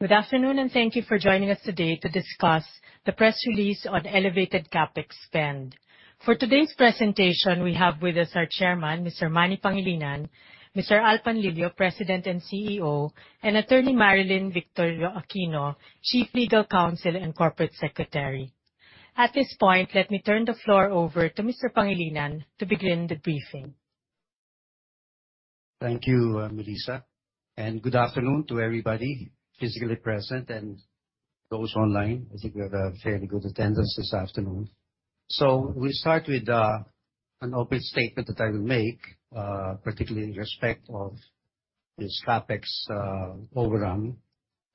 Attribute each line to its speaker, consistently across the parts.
Speaker 1: Good afternoon. Thank you for joining us today to discuss the press release on elevated CapEx spend. For today's presentation, we have with us our Chairman, Mr. Manny Pangilinan; Mr. Al Panlilio, President and CEO; and Attorney Marilyn Victorio-Aquino, Chief Legal Counsel and Corporate Secretary. At this point, let me turn the floor over to Mr. Pangilinan to begin the briefing.
Speaker 2: Thank you, Melissa, good afternoon to everybody physically present and those online. I think we have a fairly good attendance this afternoon. We start with an open statement that I will make particularly in respect of this CapEx overrun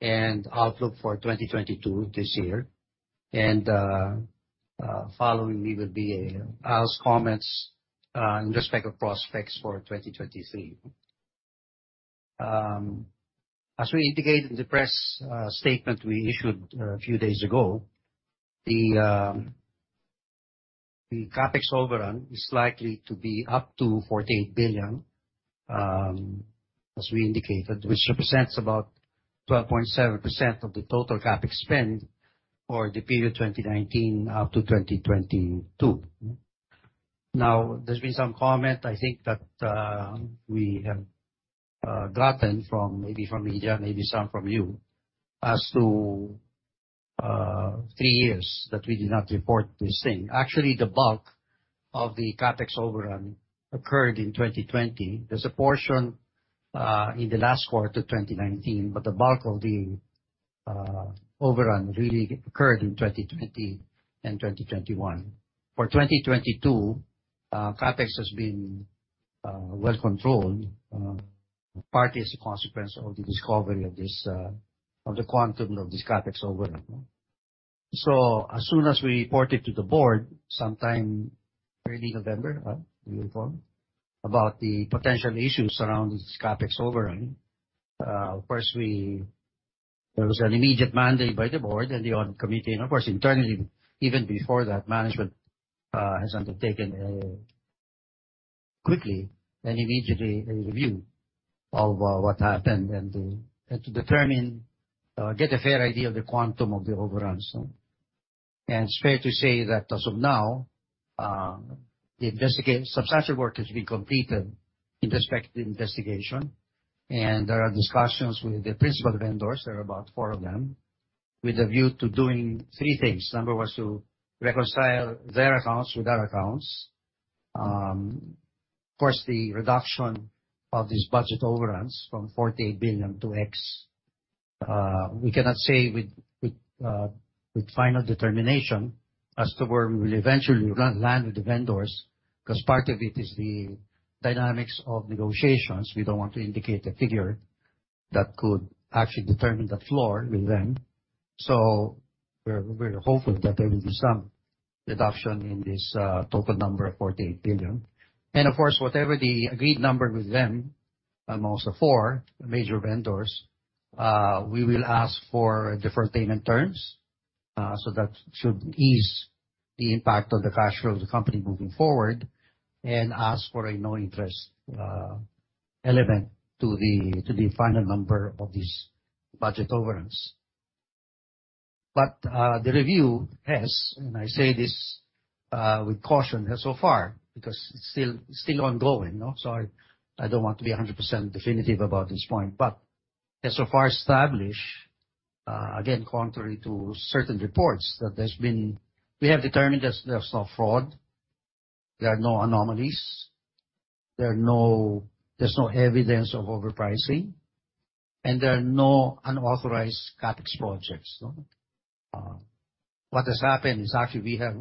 Speaker 2: and outlook for 2022 this year. Following me will be Al's comments in respect of prospects for 2023. As we indicated in the press statement we issued a few days ago, the CapEx overrun is likely to be up to 48 billion as we indicated, which represents about 12.7% of the total CapEx spend for the period 2019 up to 2022. There's been some comment, I think that, we have gotten from, maybe from media, maybe some from you as to three years that we did not report this thing. Actually, the bulk of the CapEx overrun occurred in 2020. There's a portion in the last quarter of 2019, but the bulk of the overrun really occurred in 2020 and 2021. For 2022, CapEx has been well controlled, partly as a consequence of the discovery of this, of the quantum of this CapEx overrun. As soon as we reported to the Board, sometime early November, we informed about the potential issues around this CapEx overrun. Of course, there was an immediate mandate by the Board and the Audit Committee, and of course, internally, even before that, management has undertaken quickly and immediately a review of what happened and to determine or get a fair idea of the quantum of the overruns. It's fair to say that as of now, the substantive work has been completed in respect to the investigation, and there are discussions with the principal vendors, there are about four of them, with a view to doing three things. Number one is to reconcile their accounts with our accounts. Of course, the reduction of these budget overruns from 48 billion to X, we cannot say with final determination as to where we will eventually land with the vendors, because part of it is the dynamics of negotiations. We don't want to indicate a figure that could actually determine the floor with them. We're hopeful that there will be some reduction in this total number of 48 billion. Of course, whatever the agreed number with them, amongst the four major vendors, we will ask for deferred payment terms. So that should ease the impact of the cash flow of the company moving forward and ask for a no interest element to the final number of these budget overruns. The review has, and I say this with caution so far because it's still ongoing. I don't want to be 100% definitive about this point, but as so far established, again, contrary to certain reports that we have determined there's no fraud, there are no anomalies, there's no evidence of overpricing, and there are no unauthorized CapEx projects. What has happened is actually we have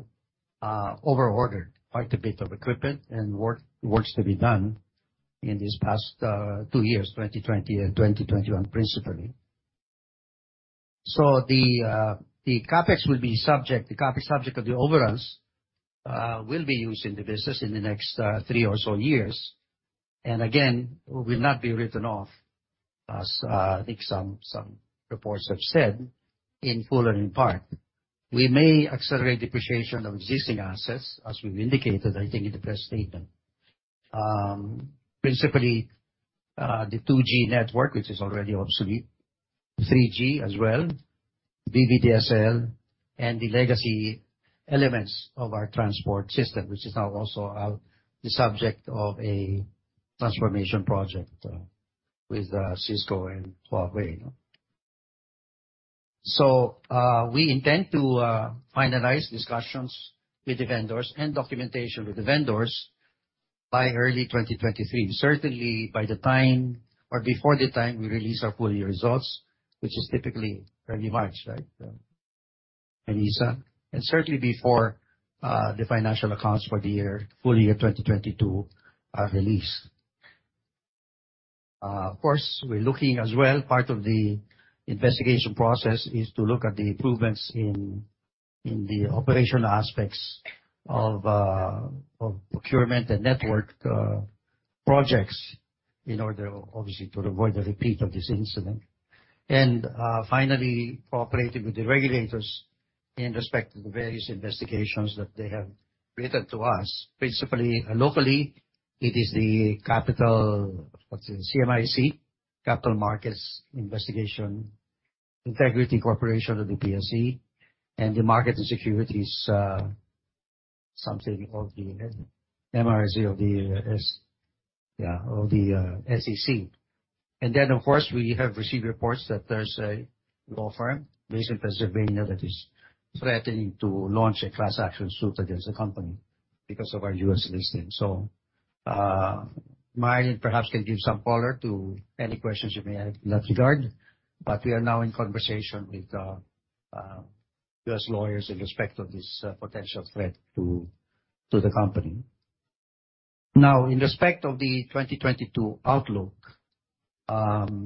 Speaker 2: overordered quite a bit of equipment and work, works to be done in this past two years, 2020 and 2021 principally. The CapEx will be subject, the CapEx subject of the overruns, will be used in the business in the next three or so years. Again, will not be written off as I think some reports have said in full or in part. We may accelerate depreciation of existing assets, as we've indicated, I think in the press statement. Principally, the 2G network, which is already obsolete, 3G as well, VDSL, and the legacy elements of our transport system, which is now also the subject of a transformation project with Cisco and Huawei. We intend to finalize discussions with the vendors and documentation with the vendors by early 2023. Certainly by the time or before the time we release our full year results, which is typically early March, right, Melissa? Certainly before the financial accounts for the year, full year 2022 are released. Of course, we're looking as well, part of the investigation process is to look at the improvements in the operational aspects of procurement and network projects in order, obviously, to avoid a repeat of this incident. Finally, cooperating with the regulators in respect to the various investigations that they have related to us, principally, locally, CMIC, Capital Markets Integrity Corporation of the PSE, and the Market and Securities MSRD of the SEC. Of course, we have received reports that there's a law firm based in Pennsylvania that is threatening to launch a class action suit against the company because of our U.S. listing. Marilyn perhaps can give some color to any questions you may have in that regard, but we are now in conversation with U.S. lawyers in respect of this potential threat to the company. In respect of the 2022 outlook, the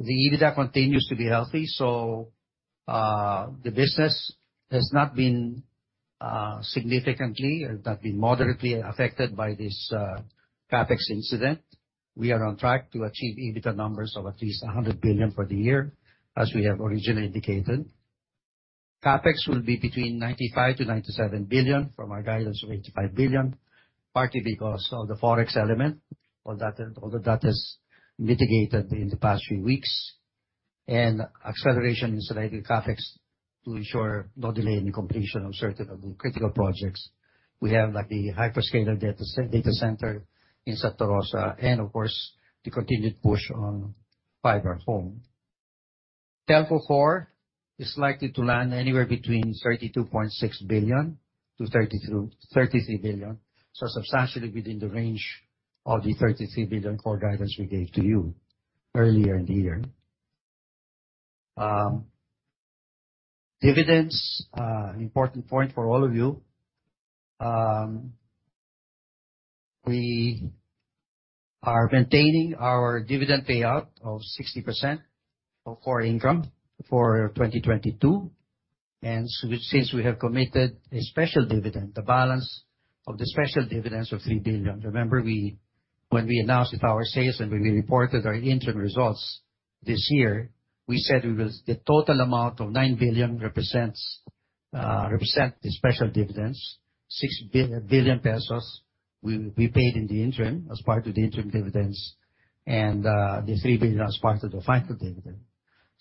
Speaker 2: EBITDA continues to be healthy, so the business has not been significantly or not been moderately affected by this CapEx incident. We are on track to achieve EBITDA numbers of at least 100 billion for the year, as we have originally indicated. CapEx will be between 95 billion-97 billion from our guidance of 85 billion, partly because of the Forex element, although that has mitigated in the past few weeks, and acceleration in selecting CapEx to ensure no delay in the completion of certain of the critical projects. We have like the hyperscaler data center in Santa Rosa, and of course, the continued push on FiberHome. Telco core is likely to land anywhere between 32.6 billion-33 billion. Substantially within the range of the 33 billion core guidance we gave to you earlier in the year. Dividends, important point for all of you. We are maintaining our dividend payout of 60% of core income for 2022, and since we have committed a special dividend, the balance of the special dividends of 3 billion. Remember we, when we announced it our sales and when we reported our interim results this year, we said the total amount of 9 billion represent the special dividends. 6 billion pesos will be paid in the interim as part of the interim dividends and the 3 billion as part of the final dividend.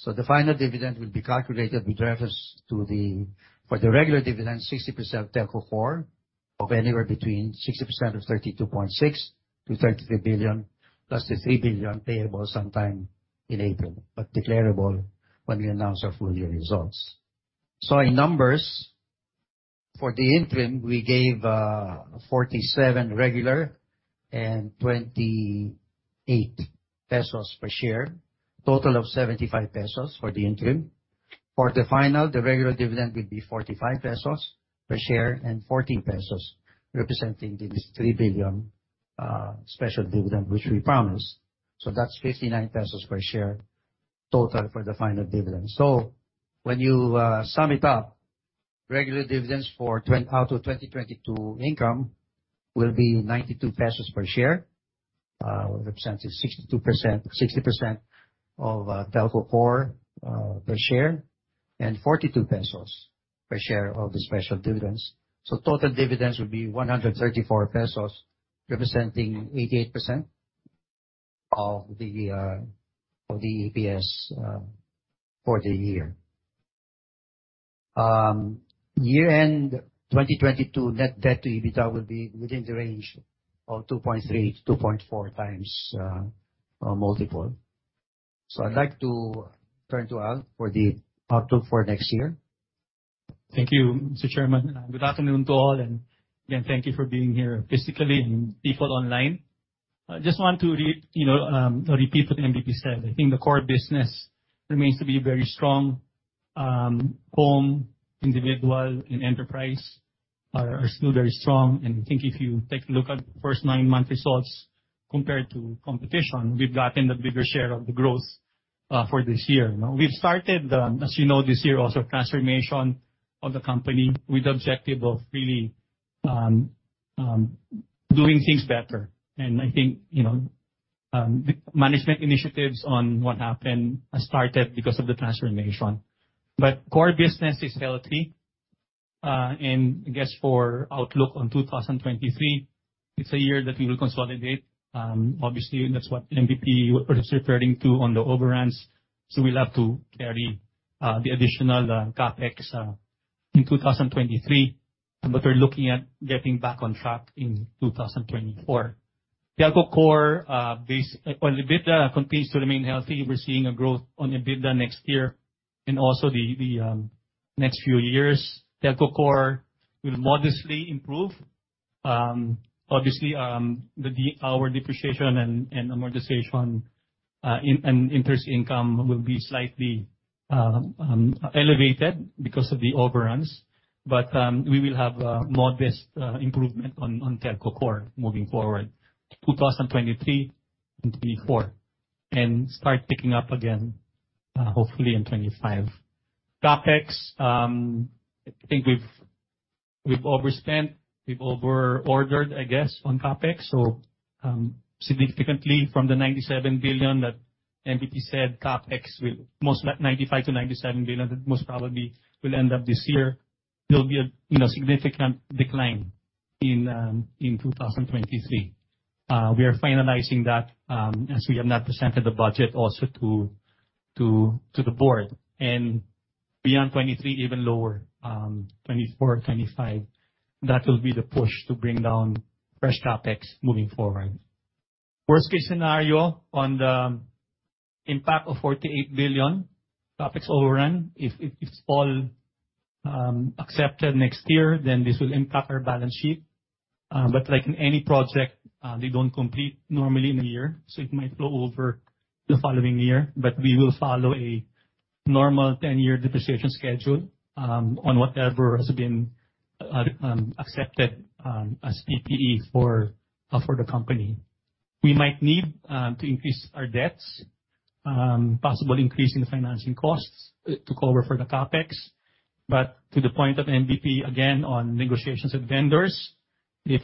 Speaker 2: The final dividend will be calculated with reference to the. For the regular dividend, 60% Telco core of anywhere between 60% of 32.6 billion-33 billion, plus the 3 billion payable sometime in April, but declarable when we announce our full year results. In numbers, for the interim, we gave 47 regular and 28 pesos per share, total of 75 pesos for the interim. For the final, the regular dividend will be 45 pesos per share and 14 pesos, representing the 3 billion special dividend which we promised. That's 59 pesos per share total for the final dividend. When you sum it up, regular dividends for out to 2022 income will be 92 pesos per share, representing 60% of Telco core per share, and 42 pesos per share of the special dividends. Total dividends will be 134 pesos, representing 88% of the EPS for the year. Year-end 2022 net debt to EBITDA will be within the range of 2.3x-2.4x multiple. I'd like to turn to Al for the outlook for next year.
Speaker 3: Thank you, Mr. Chairman. Good afternoon to all. Again, thank you for being here physically and people online. I just want to you know, repeat what MVP said. I think the core business remains to be very strong. Home, Individual, and Enterprise are still very strong. I think if you take a look at the first nine month results compared to competition, we've gotten the bigger share of the growth for this year. We've started, as you know, this year also transformation of the company with the objective of really doing things better. I think, you know, management initiatives on what happened started because of the transformation. Core business is healthy. I guess for outlook on 2023, it's a year that we will consolidate. Obviously that's what MVP was referring to on the overruns. We'll have to carry the additional CapEx in 2023, but we're looking at getting back on track in 2024. Telco core or EBITDA continues to remain healthy. We're seeing a growth on EBITDA next year and also the next few years. Telco core will modestly improve. Obviously, our depreciation and amortization, and interest income will be slightly elevated because of the overruns. We will have a modest improvement on Telco core moving forward, 2023 into 2024, and start picking up again hopefully in 2025. CapEx, I think we've overspent, we've over-ordered, I guess, on CapEx. Significantly from the 97 billion that MVP said CapEx, most like 95 billion-97 billion that most probably will end up this year. There'll be a, you know, significant decline in 2023. We are finalizing that as we have not presented the budget also to the Board. Beyond 2023, even lower, 2024, 2025. That will be the push to bring down fresh CapEx moving forward. Worst case scenario on the impact of 48 billion CapEx overrun, if all accepted next year, then this will impact our balance sheet. Like in any project, they don't complete normally in a year, so it might flow over the following year. We will follow a normal 10-year depreciation schedule, on whatever has been accepted as PPE for the company. We might need to increase our debts, possible increase in the financing costs, to cover for the CapEx. To the point of MVP, again, on negotiations with vendors, if,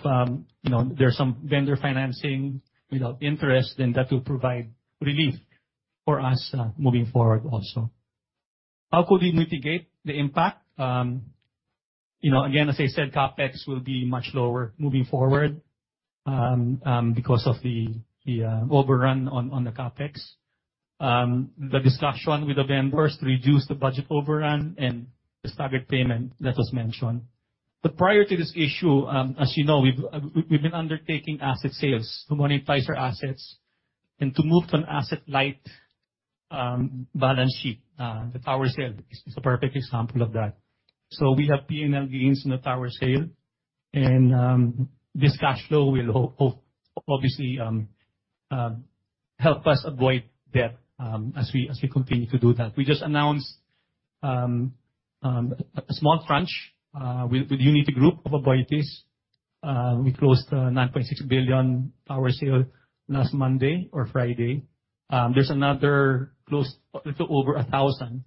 Speaker 3: you know, there's some vendor financing without interest, then that will provide relief for us, moving forward also. How could we mitigate the impact? You know, again, as I said, CapEx will be much lower moving forward, because of the overrun on the CapEx. The discussion with the vendors to reduce the budget overrun and the staggered payment that was mentioned. Prior to this issue, as you know, we've been undertaking asset sales to monetize our assets and to move to an asset-light balance sheet. The tower sale is a perfect example of that. We have P&L gains in the tower sale, and this cash flow will obviously help us avoid debt as we continue to do that. We just announced a small tranche with Unity Group of Aboitiz. We closed 9.6 billion tower sale last Monday or Friday. There's another close to over 1,000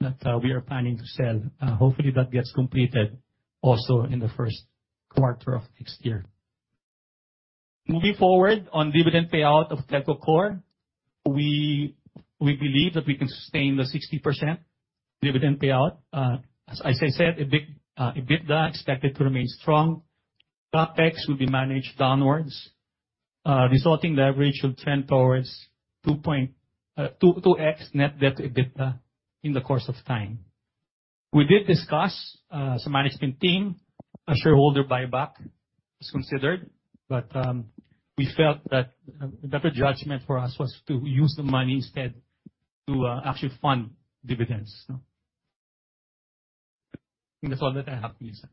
Speaker 3: that we are planning to sell. Hopefully, that gets completed also in the first quarter of next year. Moving forward on dividend payout of Telco Core, we believe that we can sustain the 60% dividend payout. As I said, EBITDA expected to remain strong. capex will be managed downwards, resulting leverage will trend towards 2x net debt to EBITDA in the course of time. We did discuss, as a management team, a shareholder buyback is considered, but we felt that a better judgment for us was to use the money instead to actually fund dividends. No? That's all that I have, Melissa.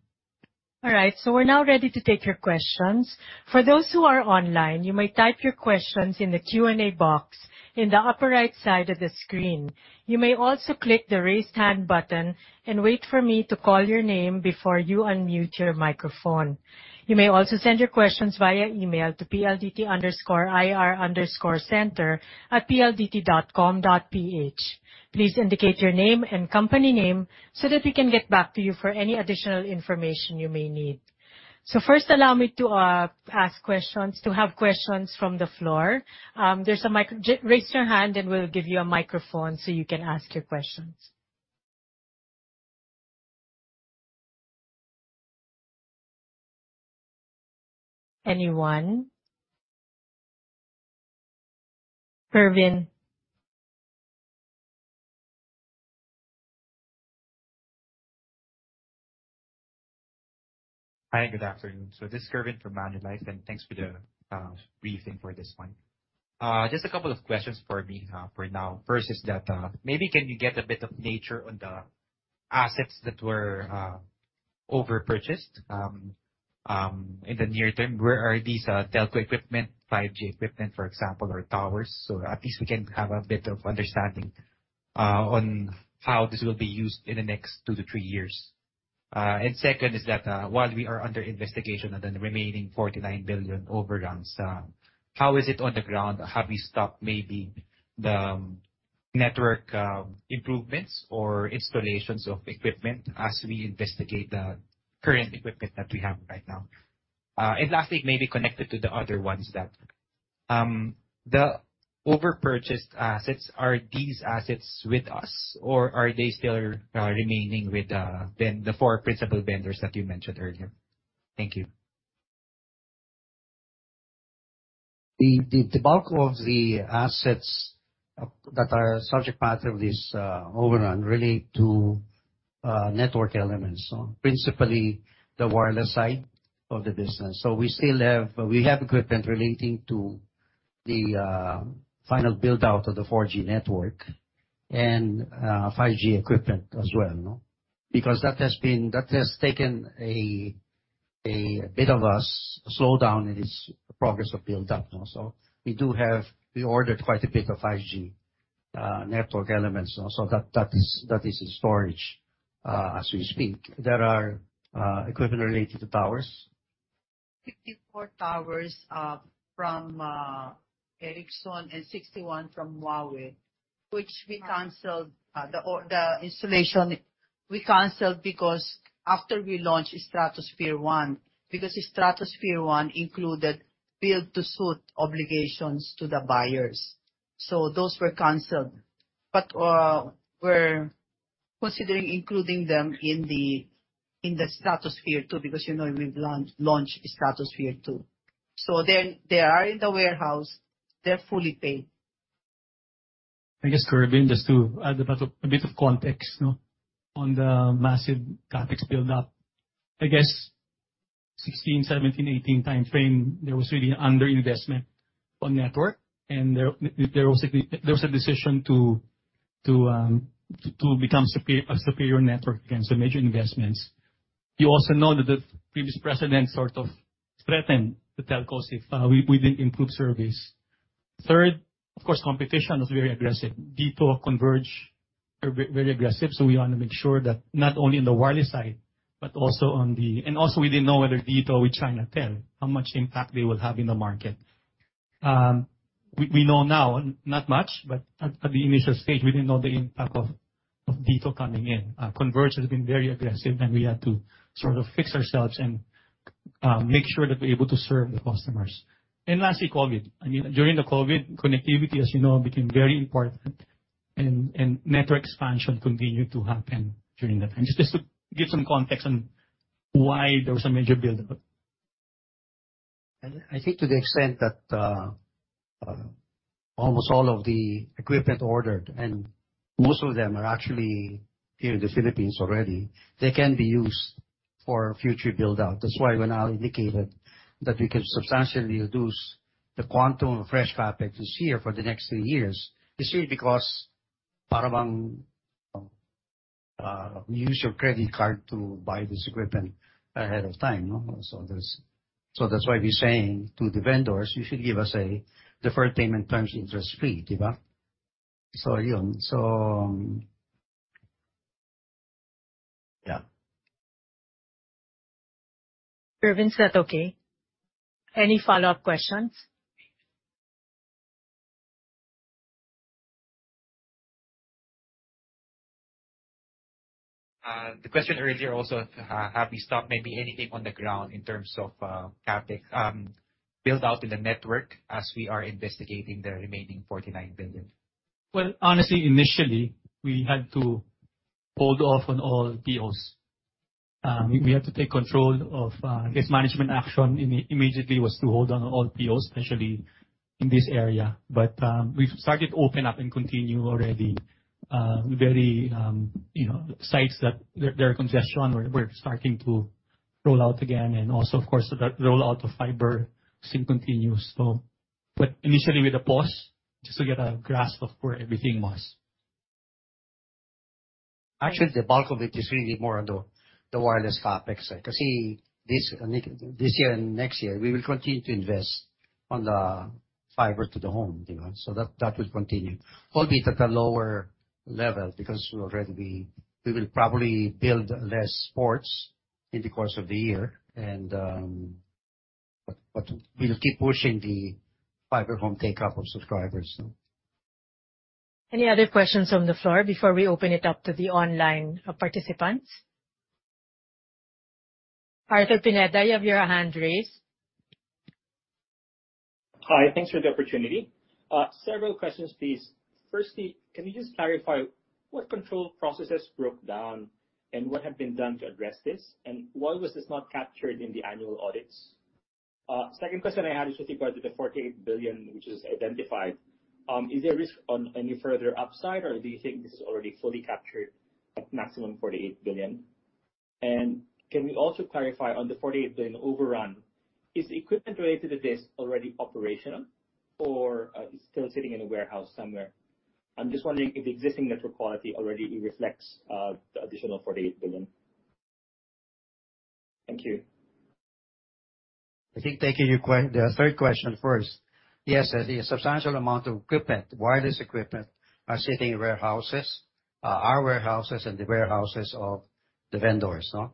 Speaker 1: All right. We're now ready to take your questions. For those who are online, you may type your questions in the Q&A box in the upper right side of the screen. You may also click the Raise Hand button and wait for me to call your name before you unmute your microphone. You may also send your questions via email to pldt_ir_center@pldt.com.ph. Please indicate your name and company name so that we can get back to you for any additional information you may need. First, allow me to have questions from the floor. Raise your hand, and we'll give you a microphone, so you can ask your questions. Anyone? Kervin.
Speaker 4: Hi, good afternoon. This is Kervin from Manulife, and thanks for the briefing for this one. Just a couple of questions for me for now. First is that maybe can you get a bit of nature on the assets that were over-purchased in the near term? Where are these telco equipment, 5G equipment, for example, or towers, so at least we can have a bit of understanding on how this will be used in the next two to three years? Second is that while we are under investigation on the remaining 49 billion overruns, how is it on the ground? Have you stopped maybe the network improvements or installations of equipment as we investigate the current equipment that we have right now? Lastly, maybe connected to the other ones that, the over-purchased assets, are these assets with us or are they still remaining with the four principal vendors that you mentioned earlier? Thank you.
Speaker 2: The bulk of the assets that are subject matter of this overrun relate to network elements. Principally, the wireless side of the business. We have equipment relating to the final build-out of the 4G network and 5G equipment as well, no? Because that has taken a bit of a slowdown in its progress of build-out. We ordered quite a bit of 5G network elements. That is in storage as we speak. There are equipment related to towers.
Speaker 5: 54 towers, from Ericsson and 61 from Huawei, which we canceled, the installation we canceled because after we launched Stratosphere One, because Stratosphere One included build-to-suit obligations to the buyers. Those were canceled. We're considering including them in the Stratosphere Two because, you know, we've launched Stratosphere Two. They are in the warehouse. They're fully paid.
Speaker 3: I guess, Kerwin, just to add a bit of context no, on the massive CapEx build up. I guess 2016, 2017, 2018 timeframe, there was really under-investment on network and there was a decision to become a superior network against the major investments. You also know that the previous President sort of threatened the telcos if we didn't improve service. Third, of course, competition was very aggressive. DITO, Converge are very aggressive, we wanna make sure that not only on the wireless side but also on the... Also we didn't know whether DITO with China Telecom, how much impact they will have in the market. We know now, not much, but at the initial stage we didn't know the impact of DITO coming in. Converge has been very aggressive, and we had to sort of fix ourselves and make sure that we're able to serve the customers. Lastly, COVID. I mean, during the COVID, connectivity, as you know, became very important and network expansion continued to happen during that time. Just to give some context on why there was a major build-up.
Speaker 2: I think to the extent that, almost all of the equipment ordered, and most of them are actually here in the Philippines already, they can be used for future build-out. That's why when Al indicated that we could substantially reduce the quantum of fresh CapEx this year for the next three years, it's really because parang, you use your credit card to buy this equipment ahead of time, no? That's why we're saying to the vendors, "You should give us a deferred payment terms interest-free," 'di ba? Yun. Yeah.
Speaker 1: Kerwin, is that okay? Any follow-up questions?
Speaker 4: The question earlier also, have you stopped maybe anything on the ground in terms of CapEx, build out in the network as we are investigating the remaining 49 billion?
Speaker 3: Well, honestly, initially, we had to hold off on all POs. We had to take control of, I guess management action immediately was to hold on all POs, especially in this area. We've started open up and continue already, you know, sites that there are congestion we're starting to roll out again and also of course the roll out of fiber soon continues. Initially with a pause just to get a grasp of where everything was.
Speaker 2: Actually, the bulk of it is really more on the wireless CapEx, 'cause this year and next year we will continue to invest on the Fiber-to-the-Home, 'di ba. That will continue, albeit at a lower level because we will probably build less ports in the course of the year. We'll keep pushing the Fiber Home take-up of subscribers.
Speaker 1: Any other questions from the floor before we open it up to the online participants? Arthur Pineda, you have your hand raised.
Speaker 6: Hi. Thanks for the opportunity. Several questions, please. Firstly, can you just clarify what control processes broke down and what have been done to address this? Why was this not captured in the annual audits? Second question I had is with regard to the 48 billion which is identified. Is there a risk on any further upside, or do you think this is already fully captured at maximum 48 billion? Can we also clarify on the 48 billion overrun, is the equipment related to this already operational or is still sitting in a warehouse somewhere? I'm just wondering if the existing network quality already reflects the additional 48 billion. Thank you.
Speaker 2: I think taking your the third question first. Yes, there's a substantial amount of equipment, wireless equipment, are sitting in warehouses, our warehouses and the warehouses of the vendors, no?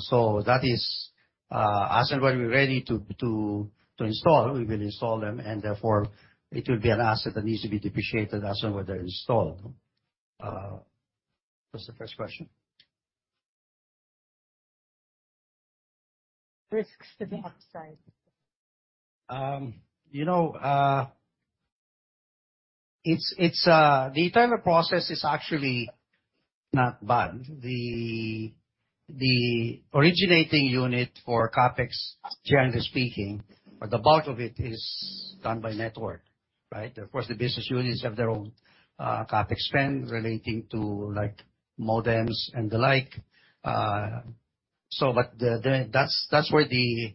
Speaker 2: So that is, as and when we're ready to install, we will install them and therefore it will be an asset that needs to be depreciated as and when they're installed. What's the first question?
Speaker 5: Risks to the upside.
Speaker 2: You know, it's, the entire process is actually not bad. The originating unit for CapEx, generally speaking, or the bulk of it is done by network, right? Of course, the business units have their own capex spend relating to like modems and the like. But the, that's where the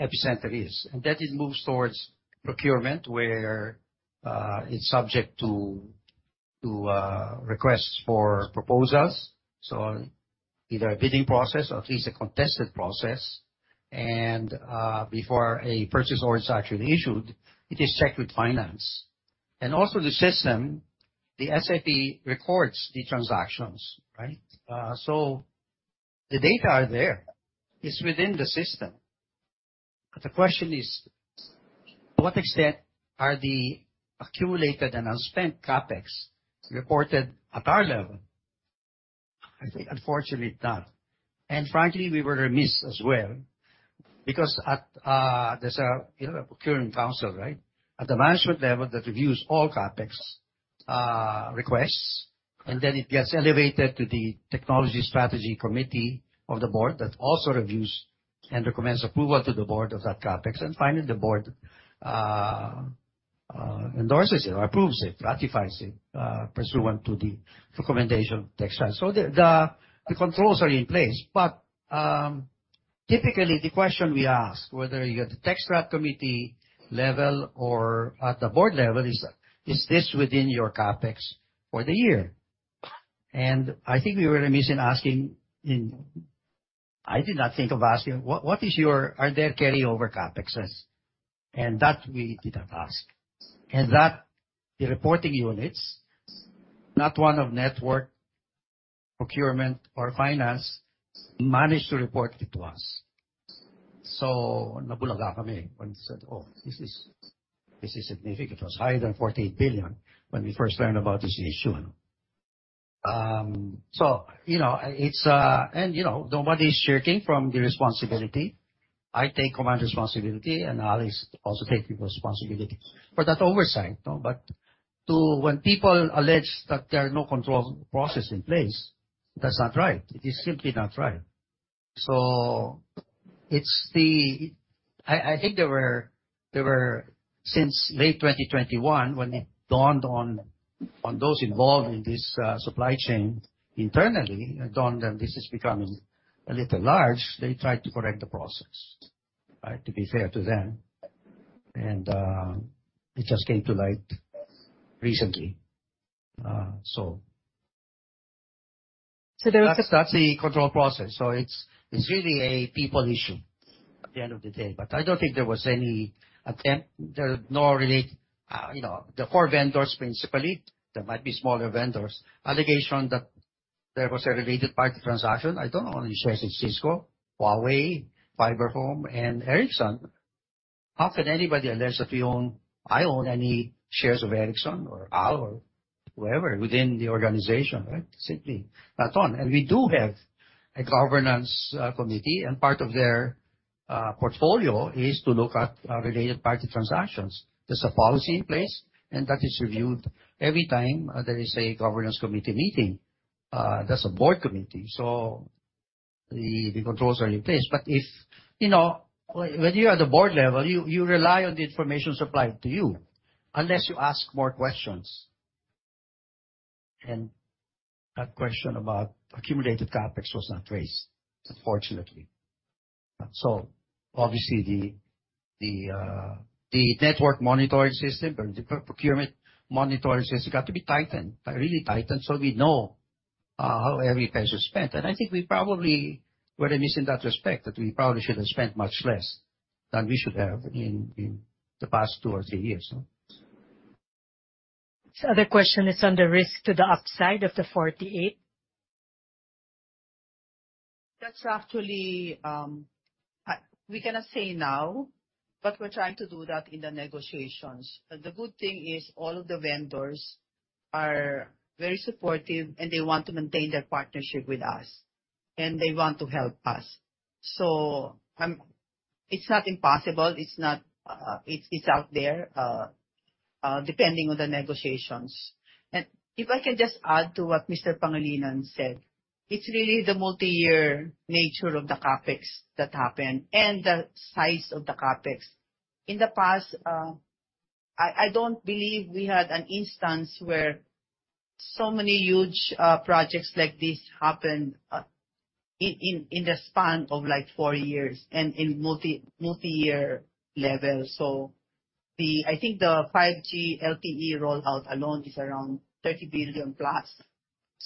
Speaker 2: epicenter is. Then it moves towards procurement where it's subject to requests for proposals, so either a bidding process or at least a contested process. Before a purchase order is actually issued, it is checked with finance. Also the system. The SAP records the transactions, right? The data are there. It's within the system. The question is, to what extent are the accumulated and unspent capex reported at our level? I think unfortunately not. Frankly, we were remiss as well, because at, there's a, you know, a procurement council, right. At the management level that reviews all CapEx requests, it gets elevated to the Technology Strategy Committee of the Board that also reviews and recommends approval to the Board of that CapEx. Finally, the Board endorses it or approves it, ratifies it, pursuant to the recommendation of TechStrat. The controls are in place. Typically the question we ask, whether you're at the TechStrat committee level or at the Board level is this within your CapEx for the year? I think we were remiss in asking, I did not think of asking, "What is your--? Are there carryover CapExes?" That we didn't ask. That the reporting units, not one of Network, Procurement, or Finance, managed to report it to us. Nabulaga kami when we said, "Oh, this is, this is significant." It was higher than 48 billion when we first learned about this issue. You know, it's. You know, nobody's shirking from the responsibility. I take command responsibility, and Al is also taking people's responsibility for that oversight, no. When people allege that there are no controls process in place, that's not right. It is simply not right. It's the. I think there were since late 2021 when it dawned on those involved in this supply chain internally, it dawned on them this is becoming a little large, they tried to correct the process, right? To be fair to them. It just came to light recently.
Speaker 1: there was
Speaker 2: That's, that's the control process. It's, it's really a people issue at the end of the day. I don't think there was any attempt. There are no related, you know, the four vendors principally, there might be smaller vendors, allegation that there was a related party transaction. I don't own any shares in Cisco, Huawei, Fiber Home, and Ericsson. How can anybody allege that we own, I own any shares of Ericsson or Al or whoever within the organization, right? Simply not owned. We do have a governance committee, and part of their portfolio is to look at related party transactions. There's a policy in place, and that is reviewed every time there is a governance committee meeting. That's a Board committee. The, the controls are in place. If, you know, when you're at the board level, you rely on the information supplied to you, unless you ask more questions. That question about accumulated CapEx was not raised, unfortunately. Obviously the network monitoring system or the procurement monitoring system got to be tightened, really tightened so we know, how every peso is spent. I think we probably were remiss in that respect, that we probably should have spent much less than we should have in the past two or three years, no?
Speaker 1: The question is on the risk to the upside of the 48 billion.
Speaker 5: That's actually, we cannot say now, but we're trying to do that in the negotiations. The good thing is all of the vendors are very supportive, and they want to maintain their partnership with us, and they want to help us. It's not impossible. It's not, it's out there, depending on the negotiations. If I can just add to what Mr. Pangilinan said, it's really the multi-year nature of the CapEx that happened and the size of the CapEx. In the past, I don't believe we had an instance where so many huge projects like this happened in the span of like four years and in multi-year levels. I think the 5G LTE rollout alone is around 30 billion+.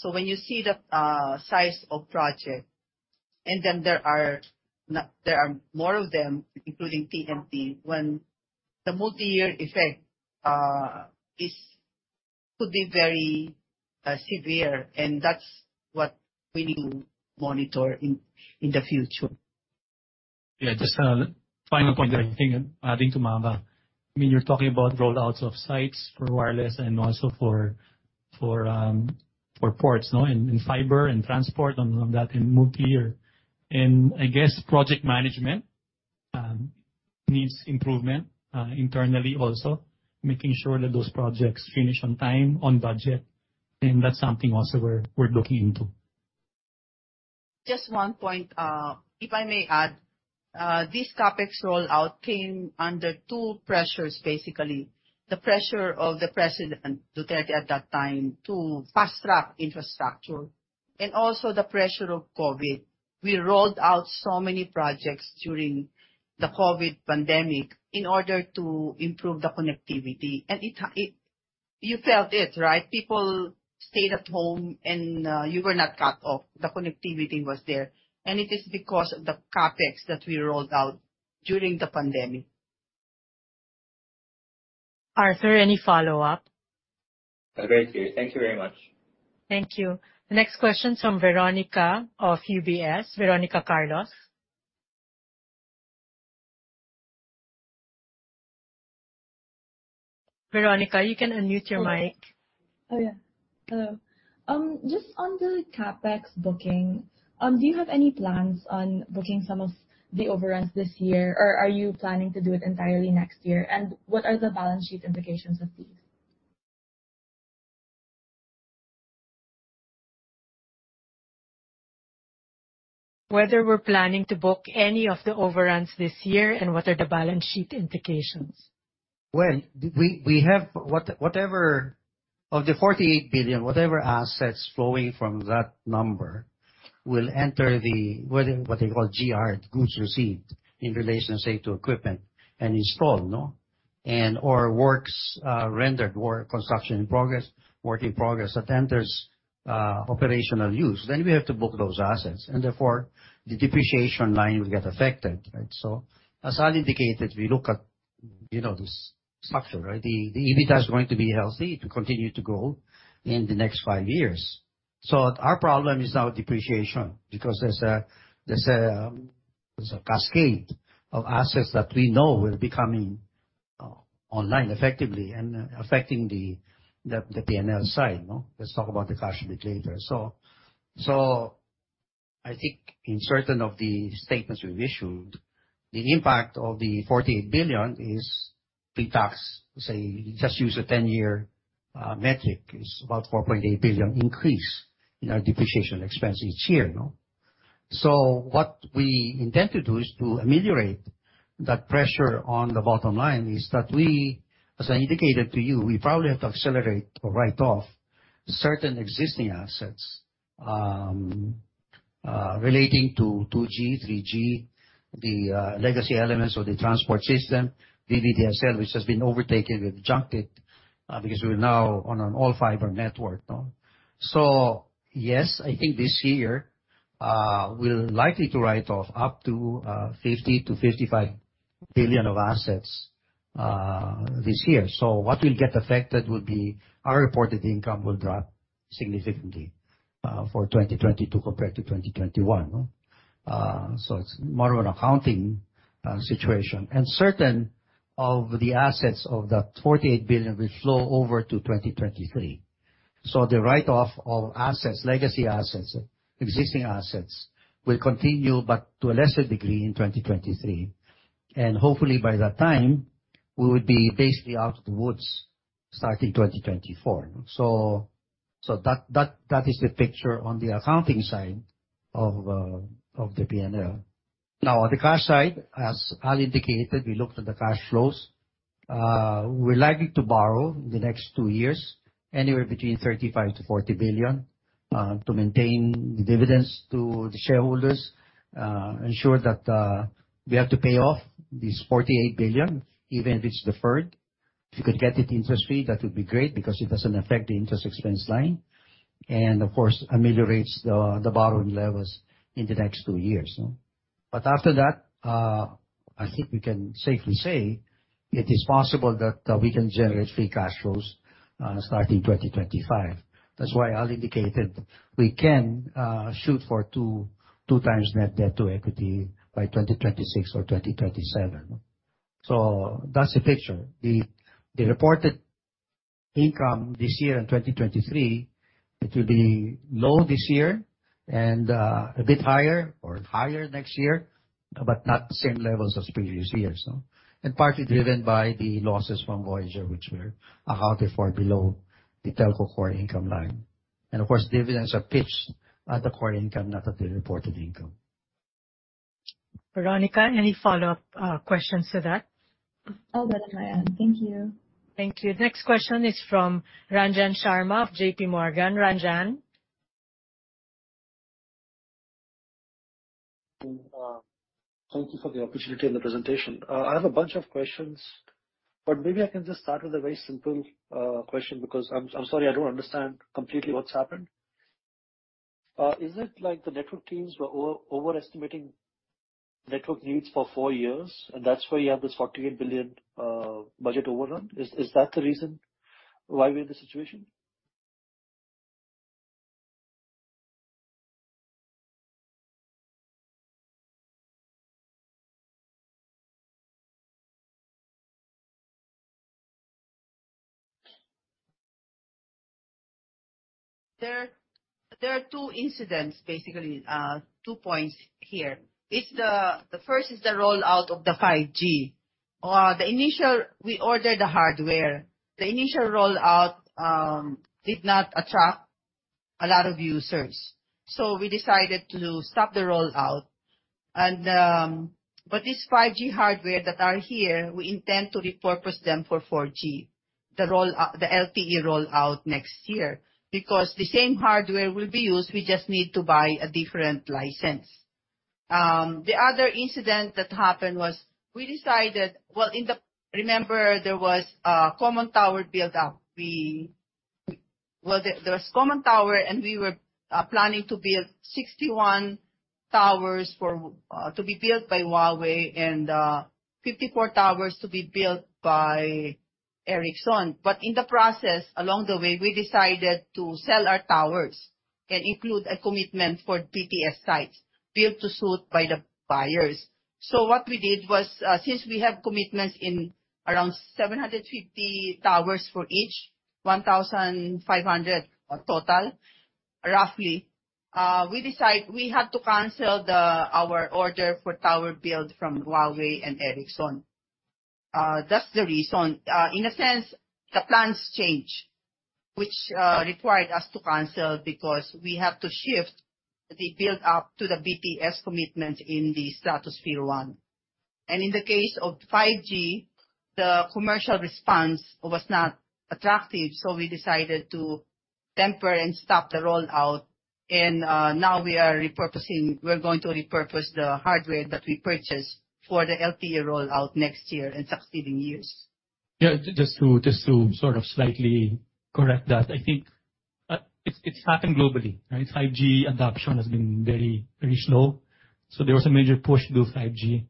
Speaker 5: When you see the size of project, there are more of them, including TMP, when the multi-year effect could be very severe, that's what we need to monitor in the future.
Speaker 3: Yeah, just a final point there, I think, adding to MaVA. I mean, you're talking about rollouts of sites for wireless and also for ports, no, and fiber and transport on that in multi-year. I guess project management needs improvement internally also, making sure that those projects finish on time, on budget, and that's something also we're looking into.
Speaker 5: Just one point, if I may add. This CapEx rollout came under two pressures, basically. The pressure of President Duterte at that time to fast-track infrastructure and also the pressure of COVID. We rolled out so many projects during the COVID pandemic in order to improve the connectivity. You felt it, right? People stayed at home, and you were not cut off. The connectivity was there. It is because of the CapEx that we rolled out during the pandemic.
Speaker 1: Arthur, any follow-up?
Speaker 6: I'm very clear. Thank you very much.
Speaker 1: Thank you. Next question from Veronica of UBS. Veronica Carlos. Veronica, you can unmute your mic.
Speaker 7: Oh, yeah. Hello. Just on the CapEx booking, do you have any plans on booking some of the overruns this year, or are you planning to do it entirely next year? What are the balance sheet implications of these?
Speaker 1: Whether we're planning to book any of the overruns this year, and what are the balance sheet implications.
Speaker 2: Of the 48 billion, whatever assets flowing from that number will enter the, what they call GR, Goods Received, in relation, say, to equipment and installed, no? And/or works rendered, construction in progress that enters operational use. We have to book those assets, and therefore the depreciation line will get affected, right? As Al indicated, we look at, you know, the structure, right? The EBITDA is going to be healthy to continue to grow in the next five years. Our problem is now depreciation, because there's a cascade of assets that we know will be coming online effectively and affecting the P&L side, no. Let's talk about the cash a bit later. I think in certain of the statements we've issued, the impact of the 48 billion is pre-tax, say, just use a 10-year metric, is about 4.8 billion increase in our depreciation expense each year, no? What we intend to do is to ameliorate that pressure on the bottom line is that we, as I indicated to you, we probably have to accelerate or write off certain existing assets relating to 2G, 3G, the legacy elements of the transport system, the VDSL, which has been overtaken, we've junked it, because we're now on an all-fiber network, no. Yes, I think this year, we're likely to write off up to 50 billion-55 billion of assets this year. What will get affected will be our reported income will drop significantly for 2020 to compare to 2021, no? It's more of an accounting situation. Certain of the assets of that 48 billion will flow over to 2023. The write-off of assets, legacy assets, existing assets, will continue but to a lesser degree in 2023. Hopefully by that time, we will be basically out of the woods starting 2024, no? That is the picture on the accounting side of the P&L. On the cash side, as Al indicated, we looked at the cash flows. We're likely to borrow in the next two 2 years, anywhere between 35 billion-40 billion to maintain the dividends to the shareholders, ensure that we have to pay off this 48 billion, even if it's deferred. If you could get it interest-free, that would be great because it doesn't affect the interest expense line, and of course ameliorates the borrowing levels in the next two years, no? After that, I think we can safely say it is possible that we can generate free cash flows starting 2025. That's why Al indicated we can shoot for 2x net debt to equity by 2026 or 2027. That's the picture. The reported income this year in 2023, it will be low this year and a bit higher or higher next year, but not the same levels as previous years. Partly driven by the losses from Voyager, which we're accounting for below the telco core income line. Of course, dividends are pitched at the core income, not at the reported income.
Speaker 1: Veronica, any follow-up questions to that?
Speaker 7: Oh, that is my end. Thank you.
Speaker 1: Thank you. Next question is from Ranjan Sharma of JPMorgan. Ranjan.
Speaker 8: Thank you for the opportunity and the presentation. I have a bunch of questions, but maybe I can just start with a very simple question because I'm sorry, I don't understand completely what's happened. Is it like the network teams were overestimating network needs for four years, and that's why you have this 48 billion budget overrun? Is that the reason why we're in this situation?
Speaker 5: There are two incidents, basically, two points here. It's the first is the rollout of the 5G. We ordered the hardware. The initial rollout did not attract a lot of users. We decided to stop the rollout. This 5G hardware that are here, we intend to repurpose them for 4G, the LTE rollout next year. Because the same hardware will be used, we just need to buy a different license. The other incident that happened was we decided... Remember there was a common tower built up. Well, there was common tower, and we were planning to build 61 towers for to be built by Huawei and 54 towers to be built by Ericsson. In the process, along the way, we decided to sell our towers and include a commitment for BTS sites Build-to-Suit by the buyers. What we did was, since we have commitments in around 750 towers for each, 1,500 total, roughly, we had to cancel our order for tower build from Huawei and Ericsson. That's the reason. In a sense, the plans changed, which required us to cancel because we have to shift the build-up to the BTS commitment in the Stratosphere One. In the case of 5G, the commercial response was not attractive, so we decided to temper and stop the rollout. Now we are repurposing. We're going to repurpose the hardware that we purchased for the LTE rollout next year and succeeding years.
Speaker 3: Yeah. Just to sort of slightly correct that. I think, it's happened globally, right? 5G adoption has been very slow, there was a major push to do 5G.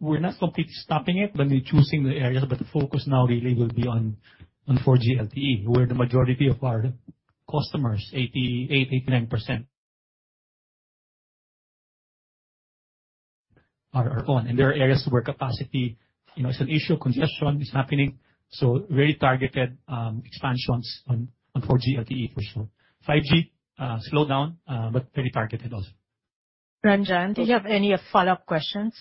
Speaker 3: We're not completely stopping it, but we're choosing the areas. The focus now really will be on 4G LTE, where the majority of our customers, 88%-89% are on. There are areas where capacity, you know, is an issue. Congestion is happening, very targeted expansions on 4G LTE for sure. 5G slowed down, but very targeted also.
Speaker 1: Ranjan, do you have any follow-up questions?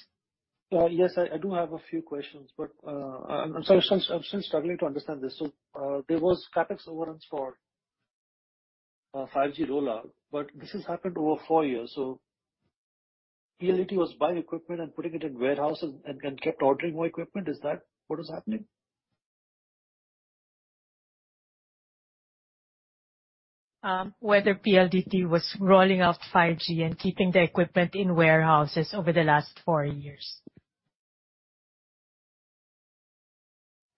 Speaker 8: Yes, I do have a few questions, but I'm still struggling to understand this. There was CapEx overruns for 5G rollout, but this has happened over four years. PLDT was buying equipment and putting it in warehouses and kept ordering more equipment. Is that what was happening?
Speaker 1: Whether PLDT was rolling out 5G and keeping the equipment in warehouses over the last four years.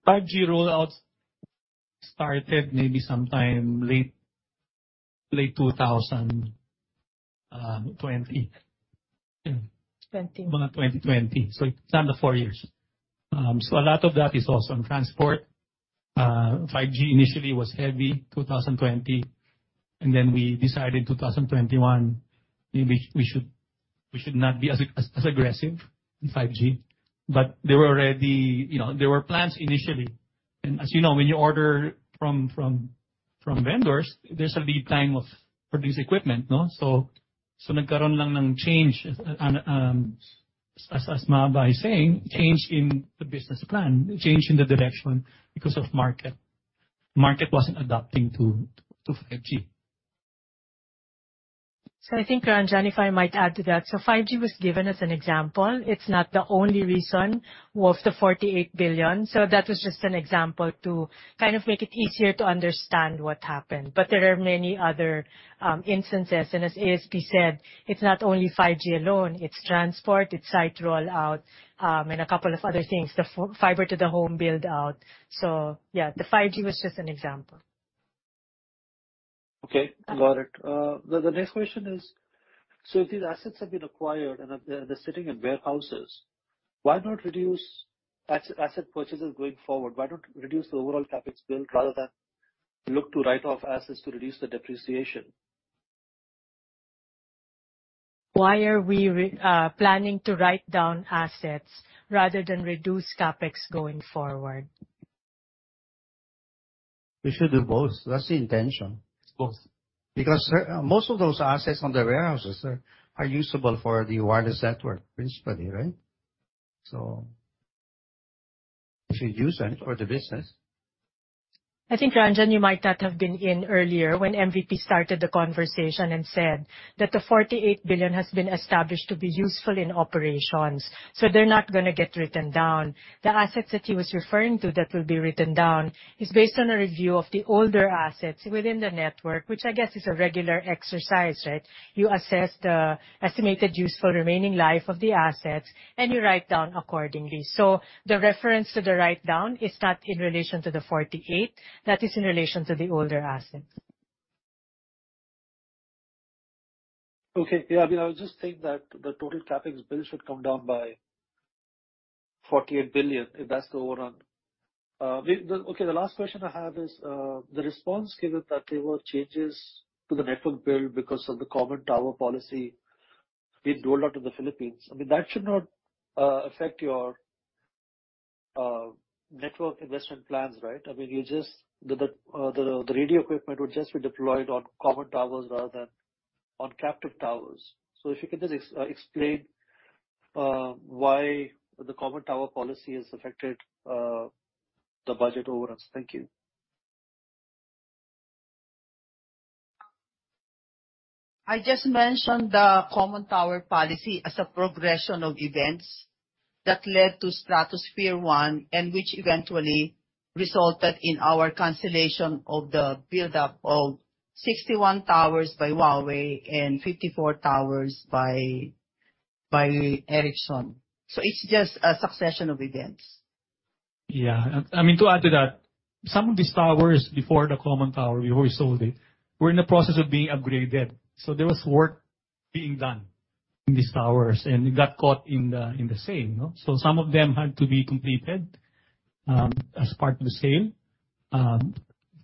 Speaker 3: 5G rollouts started maybe sometime late 2020.
Speaker 1: 2020.
Speaker 3: Mga 2020. It's under four years. A lot of that is also in transport. 5G initially was heavy, 2020, we decided 2021, maybe we should not be as aggressive in 5G. You know, there were plans initially. As you know, when you order from vendors, there's a lead time of produced equipment. No? Nagkaroon lang ng change. As Ma'am Bai is saying, change in the business plan, change in the direction because of market. Market wasn't adapting to 5G.
Speaker 1: I think, Ranjan, if I might add to that. 5G was given as an example. It's not the only reason of the 48 billion. That was just an example to kind of make it easier to understand what happened. But there are many other instances, and as ASP said, it's not only 5G alone, it's transport, it's site rollout, and a couple of other things. The Fiber-to-the-Home build out. Yeah, the 5G was just an example.
Speaker 8: Okay. Got it. The next question is, if these assets have been acquired and they're sitting in warehouses, why not reduce asset purchases going forward? Why not reduce the overall CapEx build rather than look to write off assets to reduce the depreciation?
Speaker 1: Why are we planning to write down assets rather than reduce CapEx going forward?
Speaker 2: We should do both. That's the intention.
Speaker 3: It's both.
Speaker 2: Most of those assets on the warehouses are usable for the wireless network principally, right? Should use them for the business.
Speaker 1: I think, Ranjan, you might not have been in earlier when MVP started the conversation and said that the 48 billion has been established to be useful in operations, so they're not gonna get written down. The assets that he was referring to that will be written down is based on a review of the older assets within the network, which I guess is a regular exercise, right? You assess the estimated useful remaining life of the assets, and you write down accordingly. The reference to the write down is not in relation to the 48 billion. That is in relation to the older assets.
Speaker 8: Okay. Yeah. I mean, I was just saying that the total CapEx build should come down by 48 billion if that's the overrun. Okay, the last question I have is the response given that there were changes to the network build because of the Common Tower Policy being rolled out in the Philippines. I mean, that should not affect your network investment plans, right? I mean, you just... The radio equipment would just be deployed on common towers rather than on captive towers. If you could just explain why the Common Tower Policy has affected the budget overruns. Thank you.
Speaker 5: I just mentioned the Common Tower Policy as a progression of events that led to Stratosphere One, and which eventually resulted in our cancellation of the buildup of 61 towers by Huawei and 54 towers by Ericsson. It's just a succession of events.
Speaker 3: Yeah. I mean, to add to that, some of these towers before the common tower, before we sold it, were in the process of being upgraded. There was work being done in these towers, and it got caught in the sale, you know. Some of them had to be completed as part of the sale.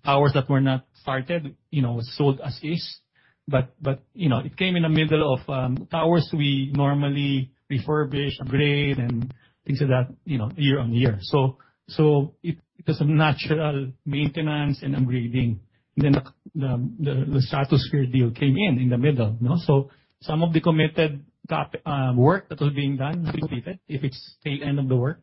Speaker 3: Towers that were not started, you know, was sold as is. You know, it came in the middle of towers we normally refurbish, upgrade and things like that, you know, year-on-year. It was a natural maintenance and upgrading. The Stratosphere deal came in the middle, you know. Some of the committed CapEx work that was being done was completed if it's the tail end of the work.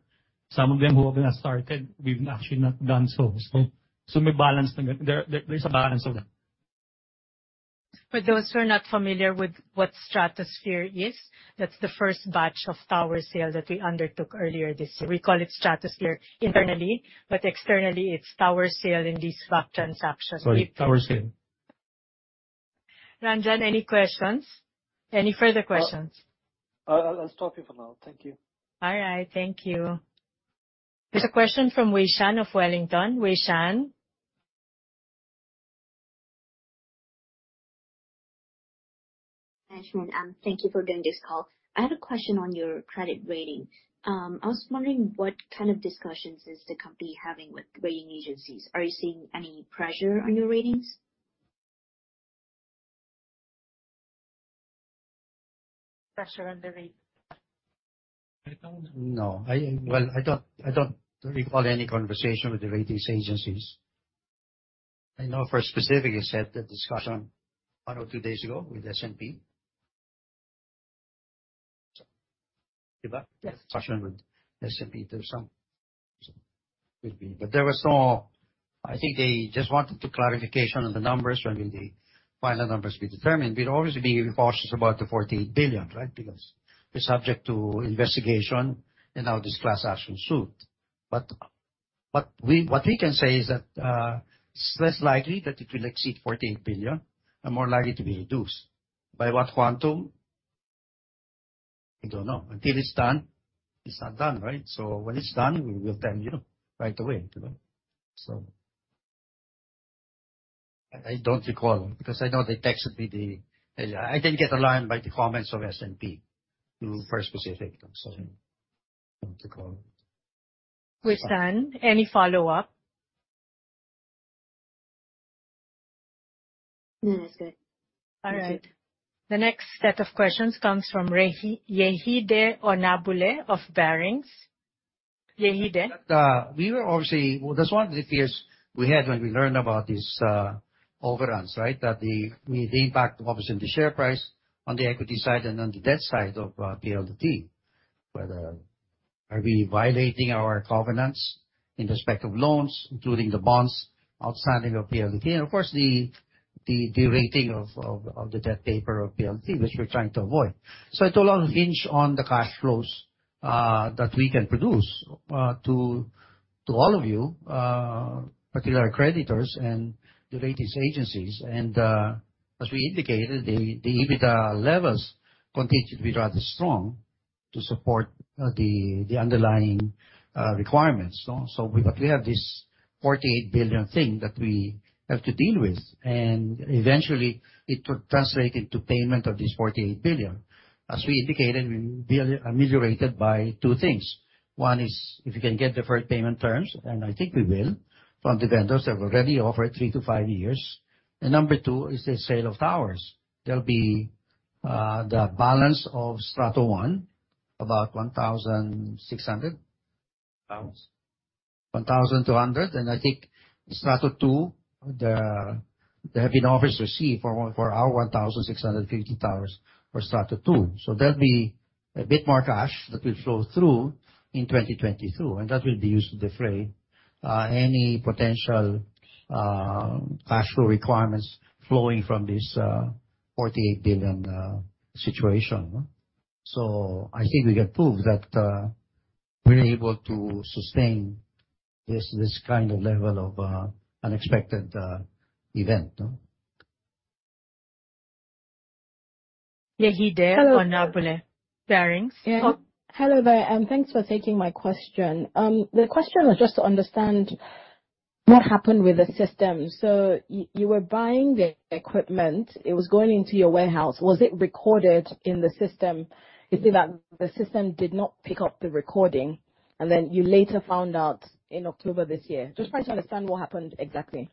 Speaker 3: Some of them who haven't started, we've actually not done so. There is a balance of that.
Speaker 1: For those who are not familiar with what Stratosphere is, that's the first batch of tower sale that we undertook earlier this year. We call it Stratosphere internally, but externally it's tower sale in these back transactions.
Speaker 3: Sorry, tower sale.
Speaker 1: Ranjan, any questions? Any further questions?
Speaker 8: I'll stop here for now. Thank you.
Speaker 1: All right. Thank you. There's a question from Wei Shan of Wellington. Wei Shan?
Speaker 9: Management, thank you for doing this call. I have a question on your credit rating. I was wondering what kind of discussions is the company having with rating agencies. Are you seeing any pressure on your ratings?
Speaker 1: Pressure on the ratings.
Speaker 2: I don't know. Well, I don't recall any conversation with the ratings agencies. I know for specific you said the discussion one or two days ago with S&P. Right?
Speaker 1: Yes.
Speaker 2: Discussion with S&P, there's some. Could be. There was no... I think they just wanted the clarification on the numbers when the final numbers be determined. We'd obviously be cautious about the 48 billion, right? Because we're subject to investigation and now this class action suit. What we can say is that it's less likely that it will exceed 48 billion and more likely to be reduced. By what quantum? We don't know. Until it's done, it's not done, right? When it's done, we will tell you right away. I don't recall because I know they texted me the... I didn't get alarmed by the comments of S&P for specific. I'm sorry. Don't recall.
Speaker 1: Wei Shan, any follow-up?
Speaker 9: No, that's it.
Speaker 1: All right. The next set of questions comes from Yejide Onabule of Barings. Yehida?
Speaker 2: We were obviously. That's one of the fears we had when we learned about this overruns, right? The impact obviously on the share price on the equity side and on the debt side of PLDT. Whether are we violating our covenants in respect of loans, including the bonds outstanding of PLDT. Of course, the rating of the debt paper of PLDT, which we're trying to avoid. It all hinge on the cash flows that we can produce to all of you, particular creditors and the ratings agencies. As we indicated, the EBITDA levels continue to be rather strong to support the underlying requirements, no? We have this 48 billion thing that we have to deal with, and eventually it will translate into payment of this 48 billion. As we indicated, we ameliorated by two things. One is if you can get deferred payment terms, and I think we will, from the vendors that we already offered three to five years. Number two is the sale of towers. There'll be the balance of Strato One, about 1,600.
Speaker 3: Thousands.
Speaker 2: 1,200. I think Strato Two, there have been offers received for our 1,650 towers for Strato Two. That'll be a bit more cash that will flow through in 2022, and that will be used to defray any potential cash flow requirements flowing from this 48 billion situation. I think we can prove that we're able to sustain this kind of level of unexpected event, no?
Speaker 1: Yejide Onabule, Barings.
Speaker 10: Hello there, and thanks for taking my question. The question was just to understand what happened with the system. You were buying the equipment, it was going into your warehouse. Was it recorded in the system? You said that the system did not pick up the recording, you later found out in October this year. Just trying to understand what happened exactly.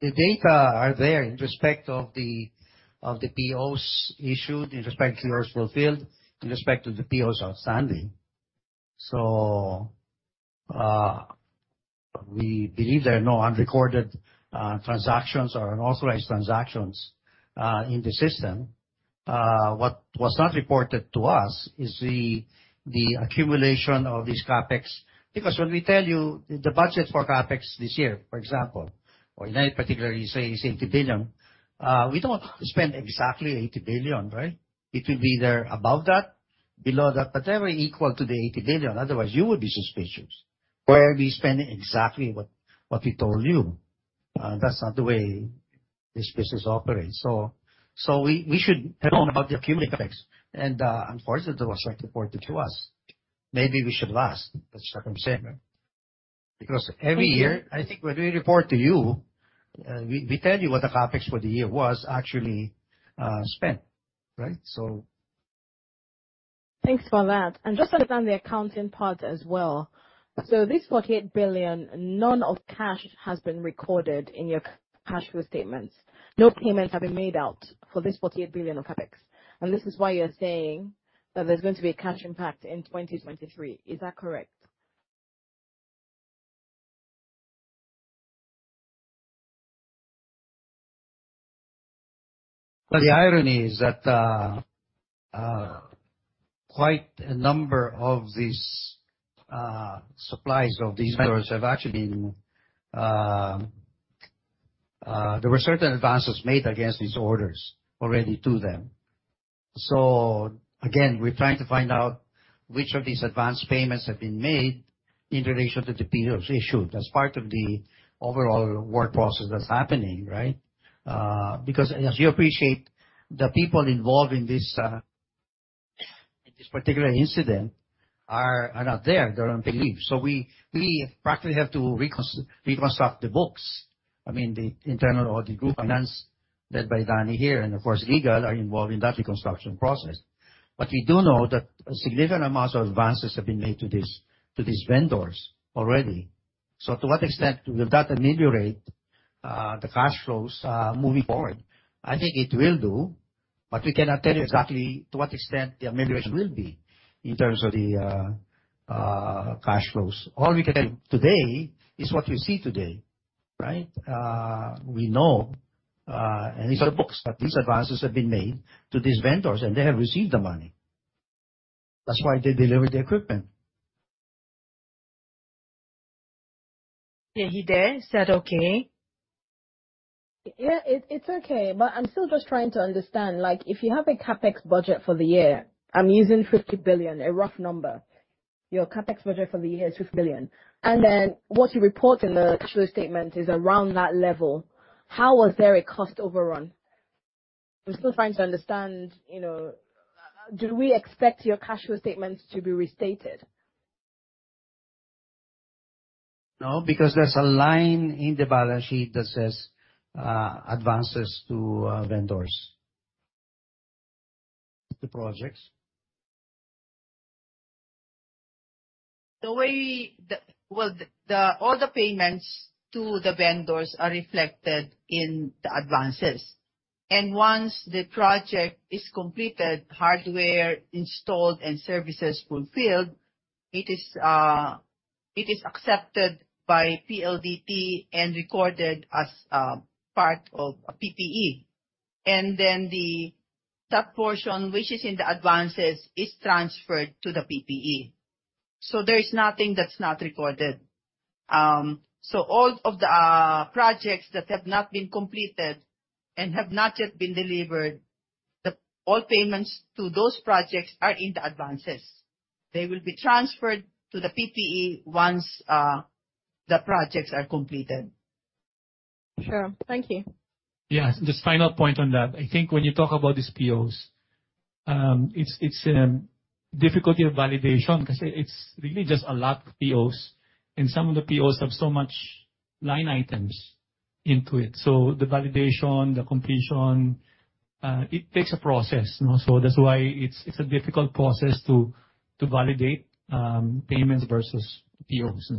Speaker 2: The data are there in respect of the POs issued, in respect to goods fulfilled, in respect to the POs outstanding. We believe there are no unrecorded transactions or unauthorized transactions in the system. What was not reported to us is the accumulation of these CapEx. When we tell you the budget for CapEx this year, for example, or in any particular, you say is 80 billion, we don't spend exactly 80 billion, right? It will be either above that-below that, but never equal to the 80 billion, otherwise you would be suspicious. Why are we spending exactly what we told you? That's not the way this business operates. We should know about the accumulated effects. Unfortunately, it was not reported to us. Maybe we should ask the second chair. Every year, I think when we report to you, we tell you what the CapEx for the year was actually spent. Right?
Speaker 10: Thanks for that. Just to understand the accounting part as well. This 48 billion, none of cash has been recorded in your cash flow statements. No payments have been made out for this 48 billion of CapEx, and this is why you're saying that there's going to be a cash impact in 2023. Is that correct?
Speaker 2: Well, the irony is that, quite a number of these supplies of these vendors have actually been, there were certain advances made against these orders already to them. Again, we're trying to find out which of these advanced payments have been made in relation to the POs issued as part of the overall work process that's happening, right? Because as you appreciate, the people involved in this in this particular incident are not there. They're on leave. We practically have to reconstruct the books. I mean, the Internal Audit Group finance led by Danny here and of course, legal are involved in that reconstruction process. We do know that a significant amount of advances have been made to these vendors already. To what extent will that ameliorate the cash flows moving forward? I think it will do, but we cannot tell you exactly to what extent the amelioration will be in terms of the cash flows. All we can tell you today is what you see today, right? We know, and these are books, that these advances have been made to these vendors, and they have received the money. That's why they delivered the equipment.
Speaker 5: Okay, Yejide, is that okay?
Speaker 10: Yeah, it's okay. I'm still just trying to understand, like if you have a capex budget for the year, I'm using 50 billion, a rough number. Your CapEx budget for the year is 50 billion. Then what you report in the cash flow statement is around that level. How was there a cost overrun? I'm still trying to understand, you know, do we expect your cash flow statements to be restated?
Speaker 2: No, because there's a line in the balance sheet that says, advances to vendors. The projects.
Speaker 5: The way the Well, all the payments to the vendors are reflected in the advances. Once the project is completed, hardware installed and services fulfilled, it is accepted by PLDT and recorded as part of a PPE. Then the subportion which is in the advances is transferred to the PPE. There is nothing that's not recorded. All of the projects that have not been completed and have not yet been delivered, all payments to those projects are in the advances. They will be transferred to the PPE once the projects are completed.
Speaker 10: Sure. Thank you.
Speaker 3: Yes. Just final point on that. I think when you talk about these POs, it's difficulty of validation kasi it's really just a lot of POs and some of the POs have so much line items into it. The validation, the completion, it takes a process, you know. That's why it's a difficult process to validate payments versus POs.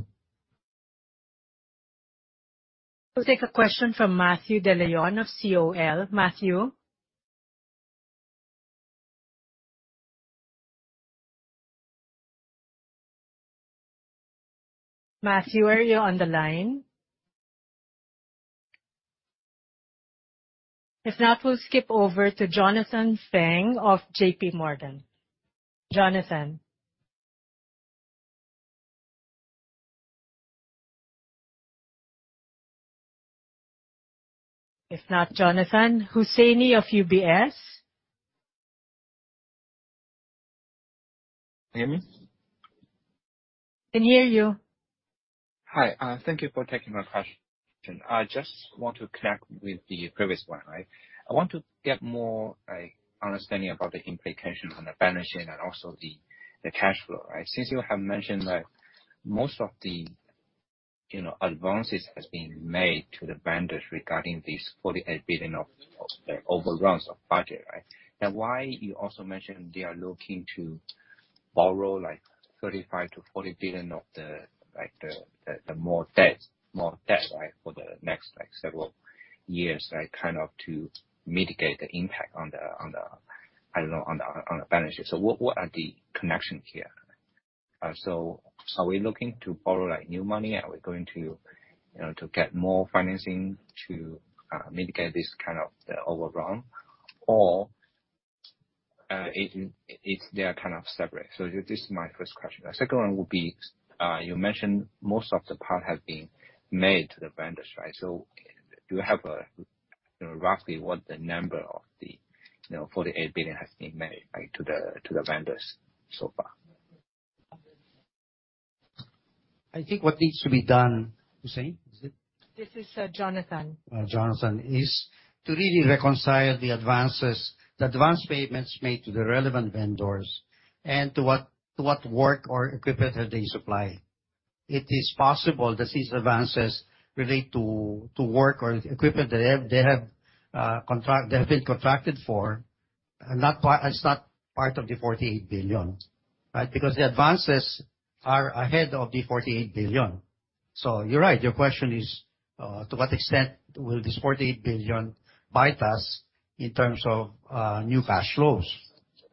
Speaker 1: We'll take a question from Matthew De Leon of COL. Matthew. Matthew, are you on the line? If not, we'll skip over to Jonathan Feng of JPMorgan. Jonathan. If not Jonathan, Hussaini of UBS.
Speaker 11: Can you hear me?
Speaker 5: Can hear you.
Speaker 11: Hi, thank you for taking my question. I just want to connect with the previous one, right? I want to get more, like, understanding about the implication on the balance sheet and also the cash flow, right? Since you have mentioned that most of the, you know, advances has been made to the vendors regarding these 48 billion of the overruns of budget, right? Now you also mentioned they are looking to borrow like 35 billion-40 billion of the, like the more debt, right, for the next like several years, right? Kind of to mitigate the impact on the balance sheet. What are the connections here? Are we looking to borrow like new money? Are we going to, you know, to get more financing to mitigate this kind of the overrun? Or, it's, they are kind of separate. This is my first question. The second one will be, you mentioned most of the part have been made to the vendors, right? Do you have, you know, roughly what the number of the, you know, 48 billion has been made, right, to the, to the vendors so far.
Speaker 2: I think what needs to be done, Hussaini, is it?
Speaker 1: This is Jonathan.
Speaker 2: Jonathan, is to really reconcile the advances, the advance payments made to the relevant vendors and to what work or equipment have they supplied. It is possible that these advances relate to work or equipment that they have been contracted for, and it's not part of the 48 billion, right? Because the advances are ahead of the 48 billion. You're right. Your question is to what extent will this 48 billion bypass in terms of new cash flows,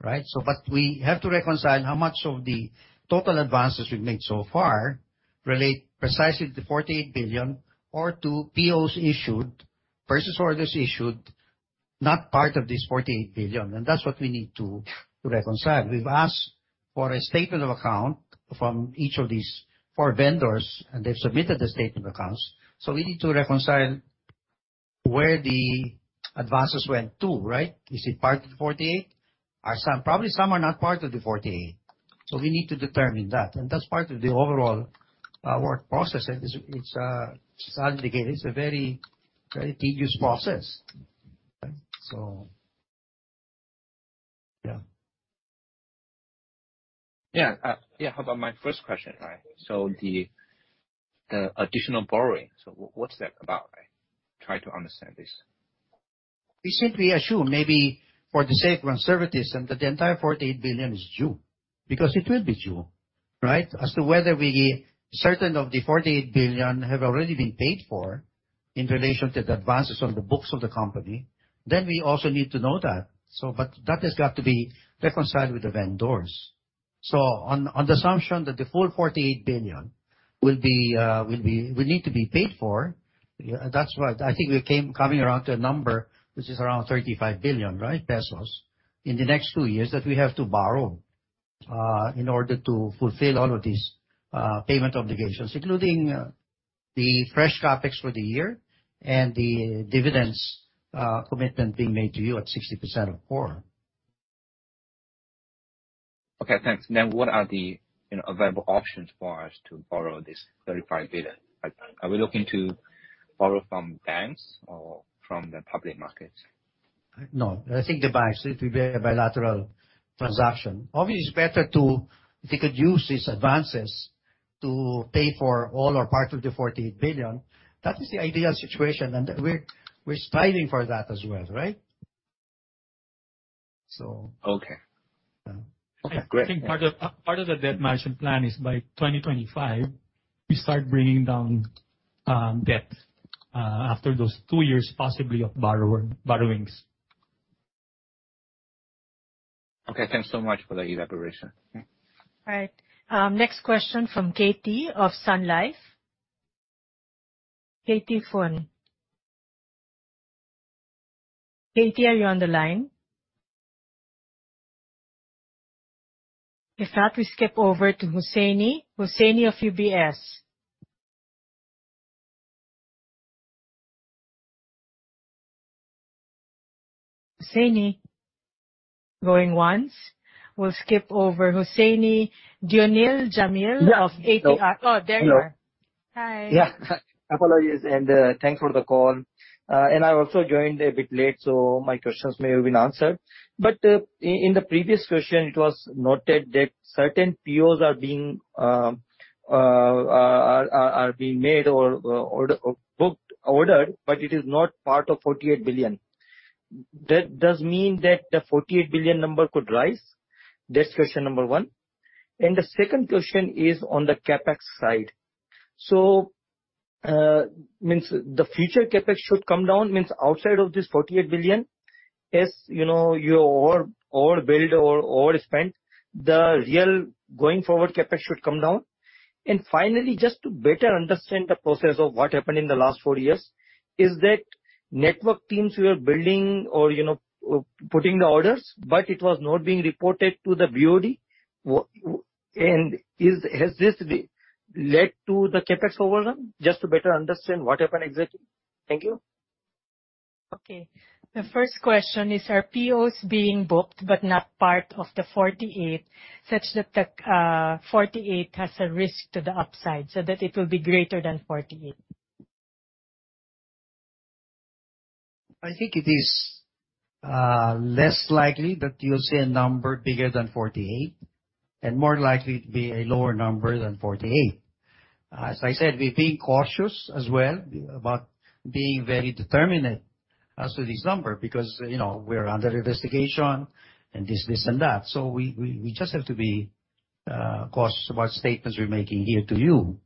Speaker 2: right? We have to reconcile how much of the total advances we've made so far relate precisely to the 48 billion or to POs issued, purchase orders issued, not part of this 48 billion. And that's what we need to reconcile. We've asked for a statement of account from each of these four vendors, they've submitted the statement of accounts. We need to reconcile where the advances went to, right? Is it part of the 48 billion? Or probably some are not part of the 48 billion. We need to determine that. That's part of the overall work process. It's, it's sadly, again, it's a very, very tedious process. Yeah.
Speaker 11: Yeah. Yeah. How about my first question, right? The additional borrowing. What's that about? I try to understand this.
Speaker 2: We simply assume maybe for the sake of conservatism that the entire 48 billion is due, because it will be due, right? As to whether we certain of the 48 billion have already been paid for in relation to the advances on the books of the company, then we also need to know that. But that has got to be reconciled with the vendors. On the assumption that the full 48 billion will need to be paid for, yeah, that's what I think we coming around to a number which is around 35 billion, right, pesos, in the next two years that we have to borrow in order to fulfill all of these payment obligations, including the fresh CapEx for the year and the dividends commitment being made to you at 60% of core.
Speaker 11: Okay, thanks. What are the, you know, available options for us to borrow this 35 billion? Are we looking to borrow from banks or from the public markets?
Speaker 2: I think the banks, it will be a bilateral transaction. Obviously, it's better if they could use these advances to pay for all or part of the 48 billion. That is the ideal situation. We're striving for that as well, right?
Speaker 11: Okay.
Speaker 2: Yeah.
Speaker 11: Okay, great.
Speaker 3: I think part of the debt management plan is by 2025, we start bringing down, debt, after those two years possibly of borrowings.
Speaker 11: Okay, thanks so much for the elaboration.
Speaker 1: All right. Next question from Katie Fun of Sun Life. Katie, are you on the line? If not, we skip over to Hussaini. Hussaini of UBS. Hussaini? Going once. We'll skip over Hussaini. Dionill Jamil-
Speaker 12: Yes.
Speaker 1: Of ATR. Oh, there you are.
Speaker 12: Hello.
Speaker 1: Hi.
Speaker 13: Apologies, thanks for the call. I also joined a bit late, so my questions may have been answered. In the previous question, it was noted that certain POs are being made or booked, ordered, but it is not part of 48 billion. That does mean that the 48 billion number could rise? That's question number one. The second question is on the CapEx side. Means the future CapEx should come down, means outside of this 48 billion, as you know, your overbuild or overspend, the real going forward CapEx should come down. Finally, just to better understand the process of what happened in the last four years, is that network teams were building or, you know, putting the orders, but it was not being reported to the BOD. Is, has this led to the CapEx overrun? Just to better understand what happened exactly. Thank you.
Speaker 1: Okay. The first question is, are POs being booked but not part of the 48 billion, such that the 48 billion has a risk to the upside, so that it will be greater than 48 billion?
Speaker 2: I think it is less likely that you'll see a number bigger than 48 billion and more likely to be a lower number than 48 billion. As I said, we're being cautious as well about being very determinate as to this number because, you know, we're under investigation and this and that. We just have to be cautious about statements we're making here to you.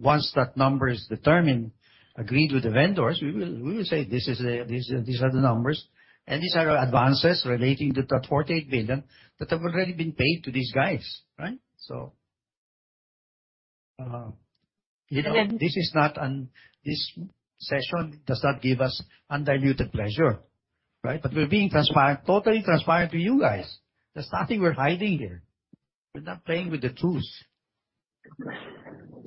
Speaker 2: Once that number is determined, agreed with the vendors, we will say, this is these are the numbers, and these are advances relating to that 48 billion that have already been paid to these guys, right? You know.
Speaker 1: And then-
Speaker 2: This session does not give us undiluted pleasure, right? We're being transparent, totally transparent to you guys. There's nothing we're hiding here. We're not playing with the truth.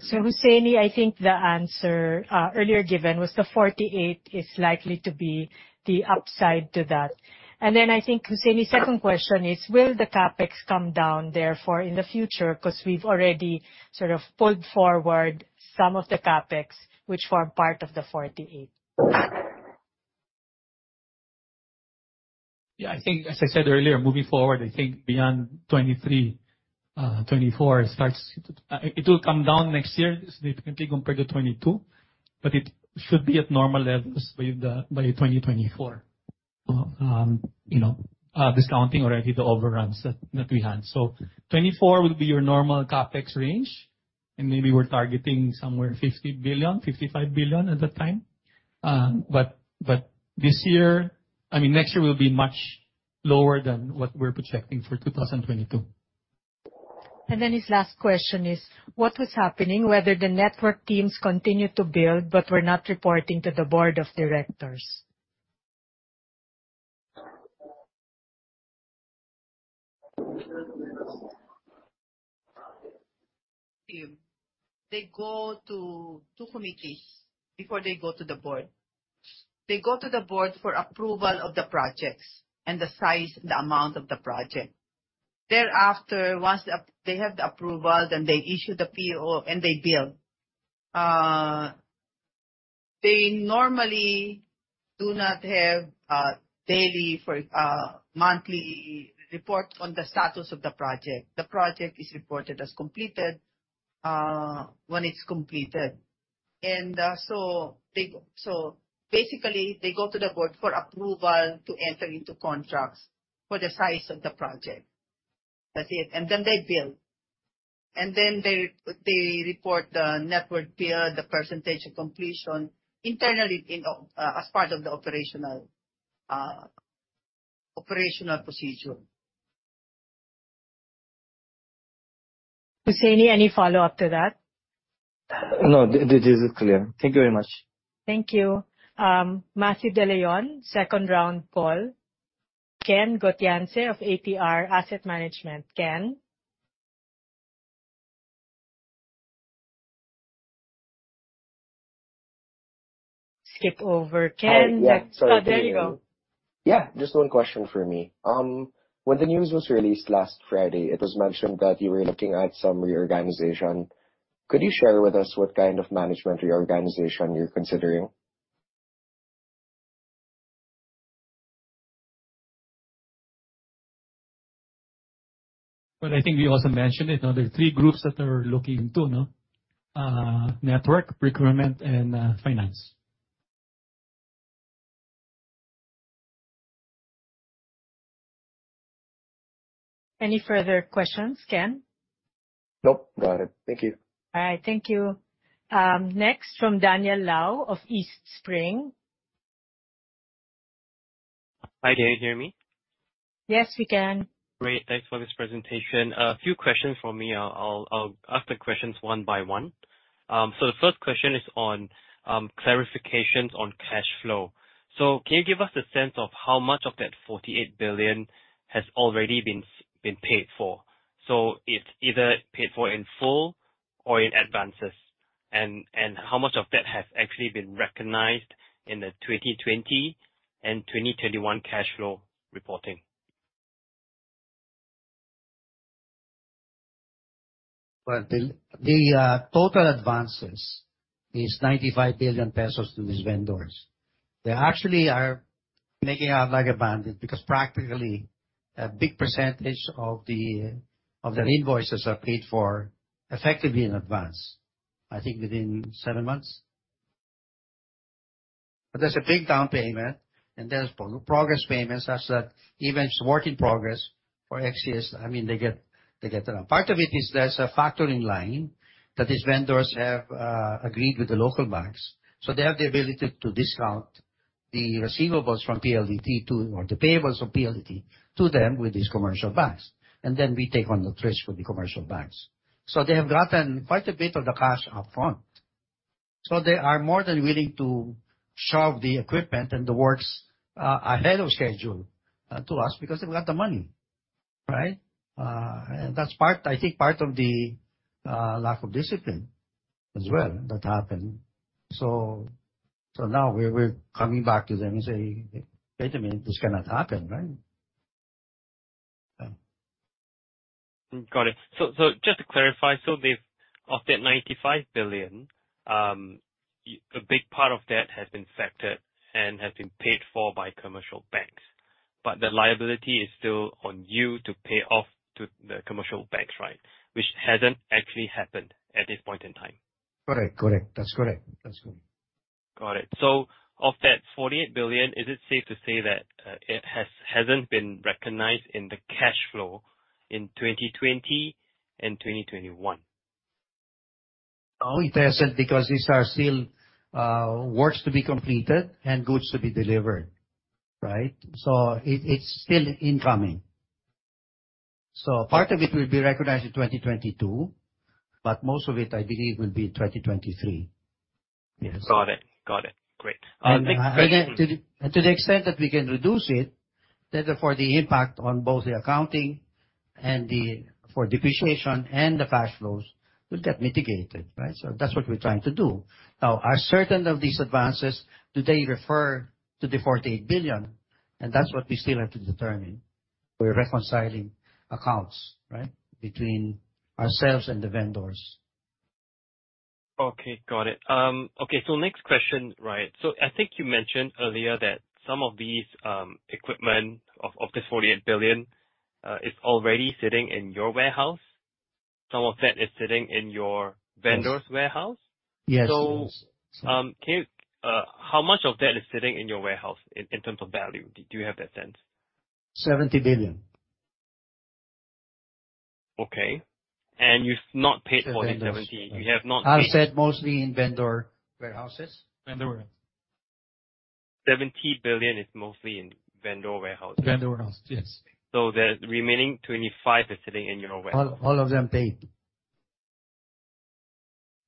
Speaker 1: Hussaini, I think the answer earlier given was the 48 billion is likely to be the upside to that. I think Hussaini's second question is, will the CapEx come down therefore in the future? Because we've already sort of pulled forward some of the CapEx which form part of the 48 billion.
Speaker 3: I think as I said earlier, moving forward, I think beyond 2023, 2024. It will come down next year significantly compared to 2022, but it should be at normal levels by 2024. You know, discounting already the overruns that we had. 2024 will be your normal CapEx range, and maybe we're targeting somewhere 50 billion-55 billion at that time. I mean, next year will be much lower than what we're projecting for 2022.
Speaker 1: His last question is, what was happening whether the network teams continued to build but were not reporting to the Board of Directors?
Speaker 5: They go to two committees before they go to the Board. They go to the Board for approval of the projects and the size and the amount of the project. Thereafter, once they have the approval, they issue the PO, and they build. They normally do not have daily for monthly reports on the status of the project. The project is reported as completed when it's completed. So basically, they go to the Board for approval to enter into contracts for the size of the project. That's it. They build. They report the network build, the percentage of completion internally as part of the operational operational procedure.
Speaker 1: Hussaini, any follow-up to that?
Speaker 13: No, this is clear. Thank you very much.
Speaker 1: Thank you. Matthew De Leon, second round call. Ken Gotianse of ATR Asset Management. Ken? Skip over Ken.
Speaker 14: Hi. Yeah. Sorry to interrupt.
Speaker 1: Oh, there you go.
Speaker 14: Yeah. Just one question from me. When the news was released last Friday, it was mentioned that you were looking at some reorganization. Could you share with us what kind of management reorganization you're considering?
Speaker 3: Well, I think we also mentioned it. There are three groups that we're looking into, no? Network, Procurement, and Finance.
Speaker 1: Any further questions, Ken?
Speaker 14: Nope. Got it. Thank you.
Speaker 1: All right. Thank you. Next from Daniel Lau of Eastspring.
Speaker 15: Hi. Can you hear me?
Speaker 1: Yes, we can.
Speaker 15: Great. Thanks for this presentation. A few questions from me. I'll ask the questions one by one. The first question is on clarifications on cash flow. Can you give us a sense of how much of that 48 billion has already been paid for? It's either paid for in full or in advances. How much of that has actually been recognized in the 2020 and 2021 cash flow reporting?
Speaker 2: The total advances is 95 billion pesos to these vendors. They actually are making out like a bandit because practically a big percentage of their invoices are paid for effectively in advance, I think within seven months. There's a big down payment, and there's progress payments as the events work in progress for X years. I mean, they get around. Part of it is there's a factoring line that these vendors have agreed with the local banks. They have the ability to discount the receivables from PLDT to, or the payables of PLDT to them with these commercial banks. We take on the risk for the commercial banks. They have gotten quite a bit of the cash up front. They are more than willing to shove the equipment and the works, ahead of schedule, to us because they've got the money, right? That's part, I think, of the lack of discipline as well that happened. Now we're coming back to them and say, "Wait a minute, this cannot happen, right?" Yeah.
Speaker 15: Got it. Just to clarify, they've of that 95 billion, a big part of that has been factored and has been paid for by commercial banks. The liability is still on you to pay off to the commercial banks, right? Which hasn't actually happened at this point in time.
Speaker 2: Correct. Correct. That's correct. That's correct.
Speaker 15: Got it. Of that 48 billion, is it safe to say that it hasn't been recognized in the cash flow in 2020 and 2021?
Speaker 2: No, it hasn't because these are still works to be completed and goods to be delivered, right? It, it's still incoming. Part of it will be recognized in 2022, but most of it, I believe, will be in 2023.
Speaker 15: Yes. Got it. Got it. Great. Next question.
Speaker 2: Again, to the extent that we can reduce it, therefore the impact on both the accounting and the for depreciation and the cash flows will get mitigated, right? That's what we're trying to do. Are certain of these advances, do they refer to the 48 billion? That's what we still have to determine. We're reconciling accounts, right? Between ourselves and the vendors.
Speaker 15: Okay. Got it. Next question, right. I think you mentioned earlier that some of these equipment of the 48 billion is already sitting in your warehouse? Some of that is sitting in your vendor's-
Speaker 2: Yes.
Speaker 15: Warehouse?
Speaker 2: Yes, it is.
Speaker 15: How much of that is sitting in your warehouse in terms of value? Do you have that sense?
Speaker 2: 70 billion.
Speaker 15: Okay. You've not paid for the 70 billion?
Speaker 2: To vendors.
Speaker 15: You have not paid?
Speaker 2: As said, mostly in vendor warehouses. Vendor warehouses.
Speaker 15: 70 billion is mostly in vendor warehouses?
Speaker 2: Vendor warehouse, yes.
Speaker 15: The remaining 25 billion is sitting in your warehouse?
Speaker 2: All of them paid.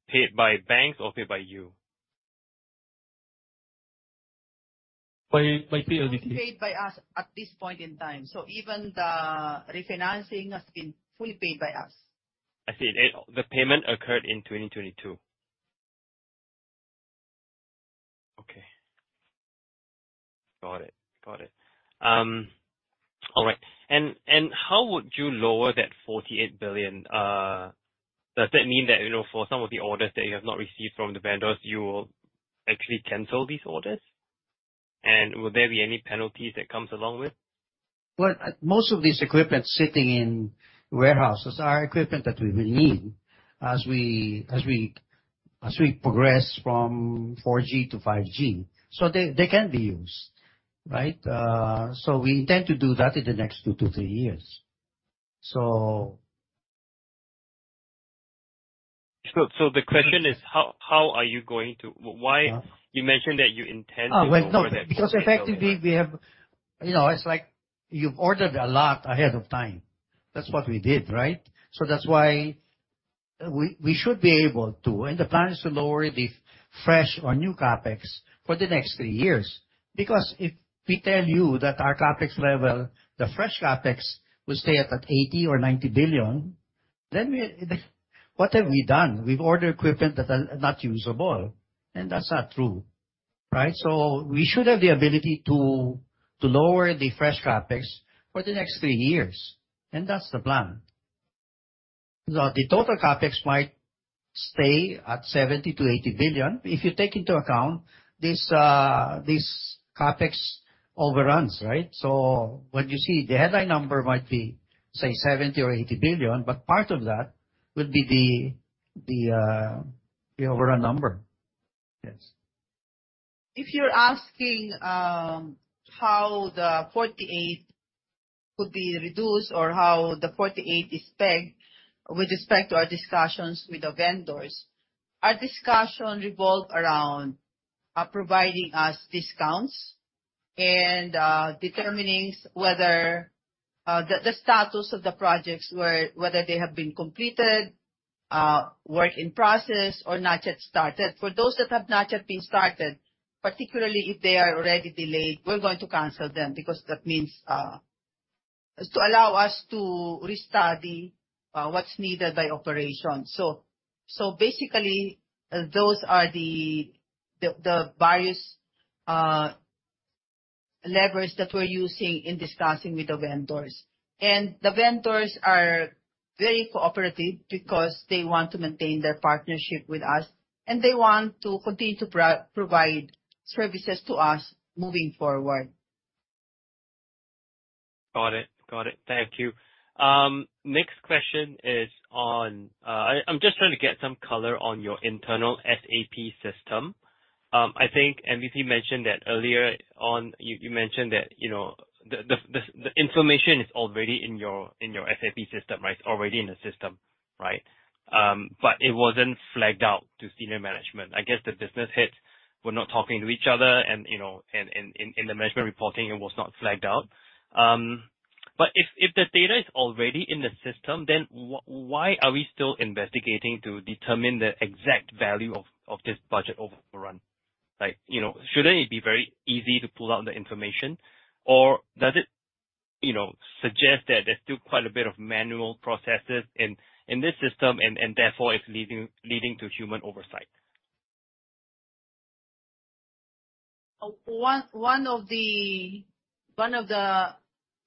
Speaker 15: Paid by banks or paid by you?
Speaker 3: By PLDT.
Speaker 5: Paid by us at this point in time. Even the refinancing has been fully paid by us.
Speaker 15: I see. The payment occurred in 2022. Okay. Got it. Got it. All right. How would you lower that 48 billion? Does that mean that, you know, for some of the orders that you have not received from the vendors, you will actually cancel these orders? Will there be any penalties that comes along with?
Speaker 2: Well, most of these equipment sitting in warehouses are equipment that we will need as we progress from 4G to 5G. They can be used, right? We intend to do that in the next two to three years.
Speaker 15: The question is, how are you going to...?
Speaker 2: Yeah.
Speaker 15: You mentioned that you intend to lower that figure.
Speaker 2: Oh, well, no, because effectively we have. You know, it's like you've ordered a lot ahead of time. That's what we did, right? That's why we should be able to. The plan is to lower the fresh or new CapEx for the next three years. If we tell you that our CapEx level, the fresh CapEx will stay at 80 billion or 90 billion, then what have we done? We've ordered equipment that are not usable, that's not true, right? We should have the ability to lower the fresh CapEx for the next three years, and that's the plan. The total CapEx might stay at 70 billion-80 billion if you take into account this CapEx overruns, right? What you see, the headline number might be, say, 70 billion or 80 billion, but part of that would be the overrun number. Yes.
Speaker 5: If you're asking how the 48 billion could be reduced or how the 48 billion is pegged with respect to our discussions with the vendors, our discussion revolve around providing us discounts and determining whether the status of the projects whether they have been completed, work in process or not yet started. For those that have not yet been started, particularly if they are already delayed, we're going to cancel them because that means is to allow us to restart what's needed by operations. Basically those are the various levers that we're using in discussing with the vendors. The vendors are very cooperative because they want to maintain their partnership with us, and they want to continue to provide services to us moving forward.
Speaker 15: Got it. Got it. Thank you. Next question is on, I'm just trying to get some color on your internal SAP system. I think MVP mentioned that earlier on. You mentioned that, you know, the information is already in your SAP system, right? It's already in the system, right? It wasn't flagged out to senior management. I guess the business heads were not talking to each other and you know, and in the management reporting it was not flagged out. If the data is already in the system, then why are we still investigating to determine the exact value of this budget overrun? Like, you know, shouldn't it be very easy to pull out the information? Does it, you know, suggest that there's still quite a bit of manual processes in this system and therefore it's leading to human oversight?
Speaker 5: One of the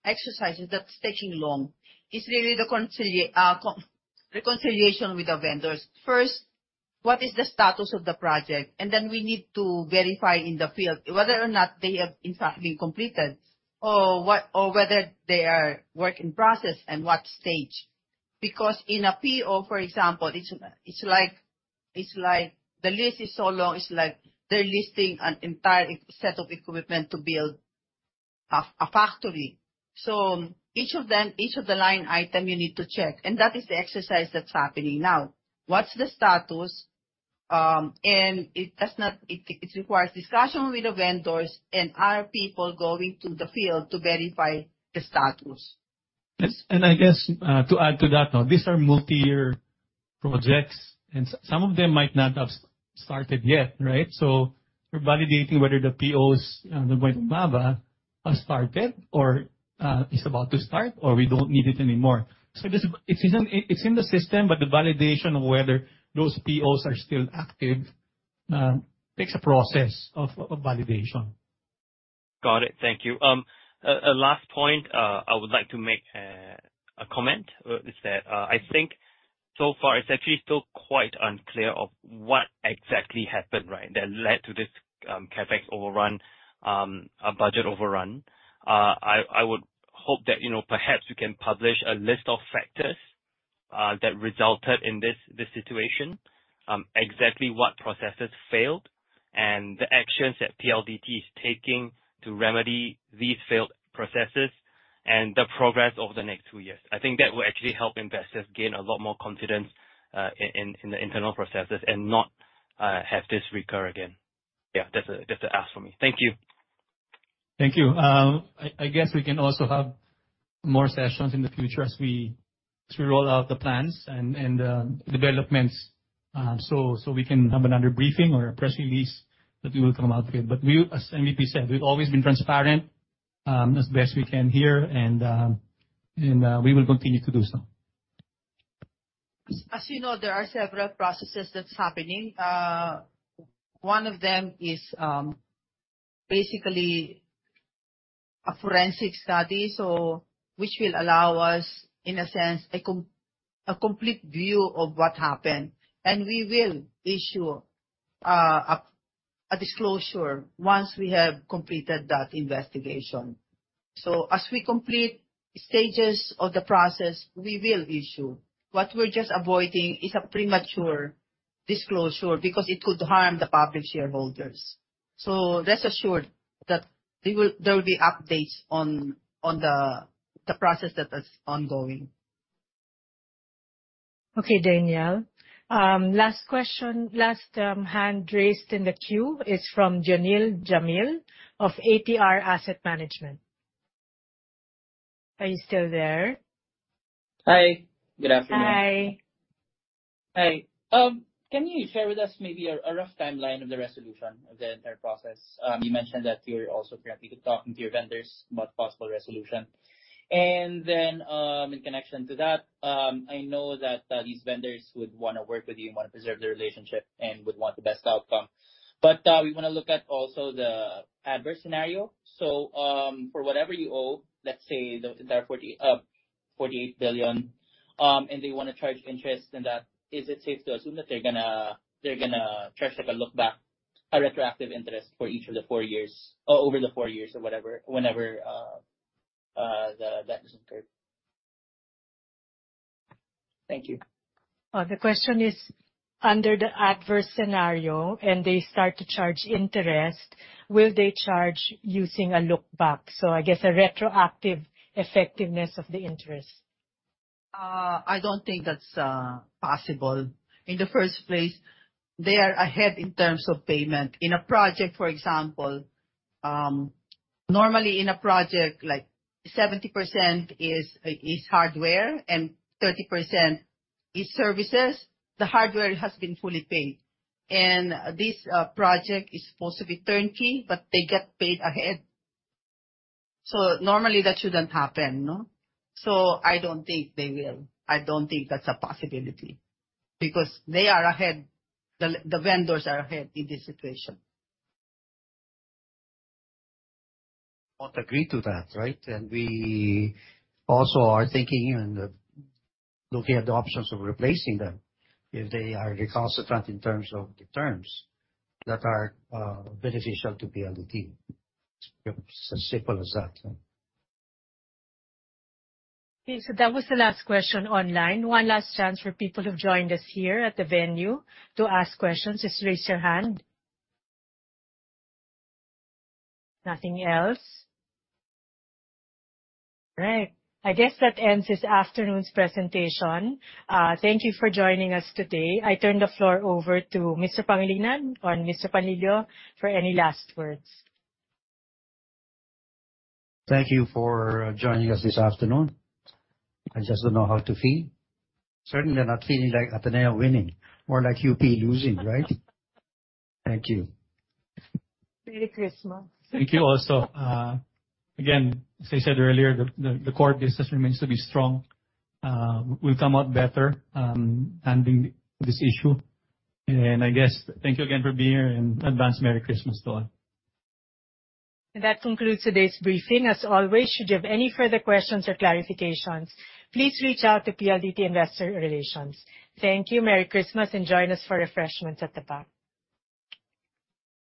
Speaker 5: exercises that's taking long is really the reconciliation with the vendors. What is the status of the project? We need to verify in the field whether or not they have in fact been completed or whether they are work in process and what stage. In a PO, for example, it's like the list is so long, it's like they're listing an entire set of equipment to build a factory. Each of the line item you need to check. That is the exercise that's happening now. What's the status? It requires discussion with the vendors and our people going to the field to verify the status.
Speaker 3: Yes. I guess, to add to that, these are multi-year projects, and some of them might not have started yet, right? We're validating whether the POs going to have started or is about to start, or we don't need it anymore. It's in the system, but the validation of whether those POs are still active, takes a process of validation.
Speaker 15: Got it. Thank you. A last point, I would like to make a comment, is that, I think so far it's actually still quite unclear of what exactly happened, right, that led to this CapEx overrun, a budget overrun. I would hope that, you know, perhaps you can publish a list of factors that resulted in this situation, exactly what processes failed and the actions that PLDT is taking to remedy these failed processes and the progress over the next two years. I think that will actually help investors gain a lot more confidence in the internal processes and not have this recur again. Yeah, that's a ask for me. Thank you.
Speaker 3: Thank you. I guess we can also have more sessions in the future as we roll out the plans and developments, so we can have another briefing or a press release that we will come out with. As MVP said, we've always been transparent, as best we can here, and we will continue to do so.
Speaker 5: As you know, there are several processes that's happening. One of them is basically a forensic study, which will allow us, in a sense, a complete view of what happened. We will issue a disclosure once we have completed that investigation. As we complete stages of the process, we will issue. What we're just avoiding is a premature disclosure because it could harm the public shareholders. Rest assured that there will be updates on the process that is ongoing.
Speaker 1: Okay, Daniel. Last question. Last hand raised in the queue is from Dionill Jamil of ATR Asset Management. Are you still there?
Speaker 12: Hi. Good afternoon.
Speaker 1: Hi.
Speaker 12: Hi. Can you share with us maybe a rough timeline of the resolution of the entire process? You mentioned that you're also currently talking to your vendors about possible resolution. In connection to that, I know that these vendors would wanna work with you, wanna preserve the relationship, and would want the best outcome. We wanna look at also the adverse scenario. For whatever you owe, let's say the entire 48 billion, and they wanna charge interest in that. Is it safe to assume that they're gonna charge like a look back, a retroactive interest for each of the four years or over the four years or whatever whenever the debt is incurred? Thank you.
Speaker 1: The question is, under the adverse scenario, and they start to charge interest, will they charge using a look back? I guess a retroactive effectiveness of the interest.
Speaker 5: I don't think that's possible. In the first place, they are ahead in terms of payment. In a project, for example, normally in a project, like 70% is hardware and 30% is services. The hardware has been fully paid. This project is supposed to be turnkey, but they get paid ahead. Normally, that shouldn't happen, no? I don't think they will. I don't think that's a possibility because they are ahead. The vendors are ahead in this situation.
Speaker 2: Won't agree to that, right? We also are thinking and looking at the options of replacing them if they are recalcitrant in terms of the terms that are beneficial to PLDT. It's simple as that.
Speaker 1: Okay. That was the last question online. One last chance for people who've joined us here at the venue to ask questions. Just raise your hand. Nothing else. All right. I guess that ends this afternoon's presentation. Thank you for joining us today. I turn the floor over to Mr. Pangilinan or Mr. Panlilio for any last words.
Speaker 2: Thank you for joining us this afternoon. I just don't know how to feel. Certainly not feeling like Ateneo winning, more like UP losing, right? Thank you.
Speaker 5: Merry Christmas.
Speaker 3: Thank you also. Again, as I said earlier, the core business remains to be strong. We'll come out better, handling this issue. I guess thank you again for being here and advance Merry Christmas to all.
Speaker 1: That concludes today's briefing. As always, should you have any further questions or clarifications, please reach out to PLDT Investor Relations. Thank you. Merry Christmas, and join us for refreshments at the back.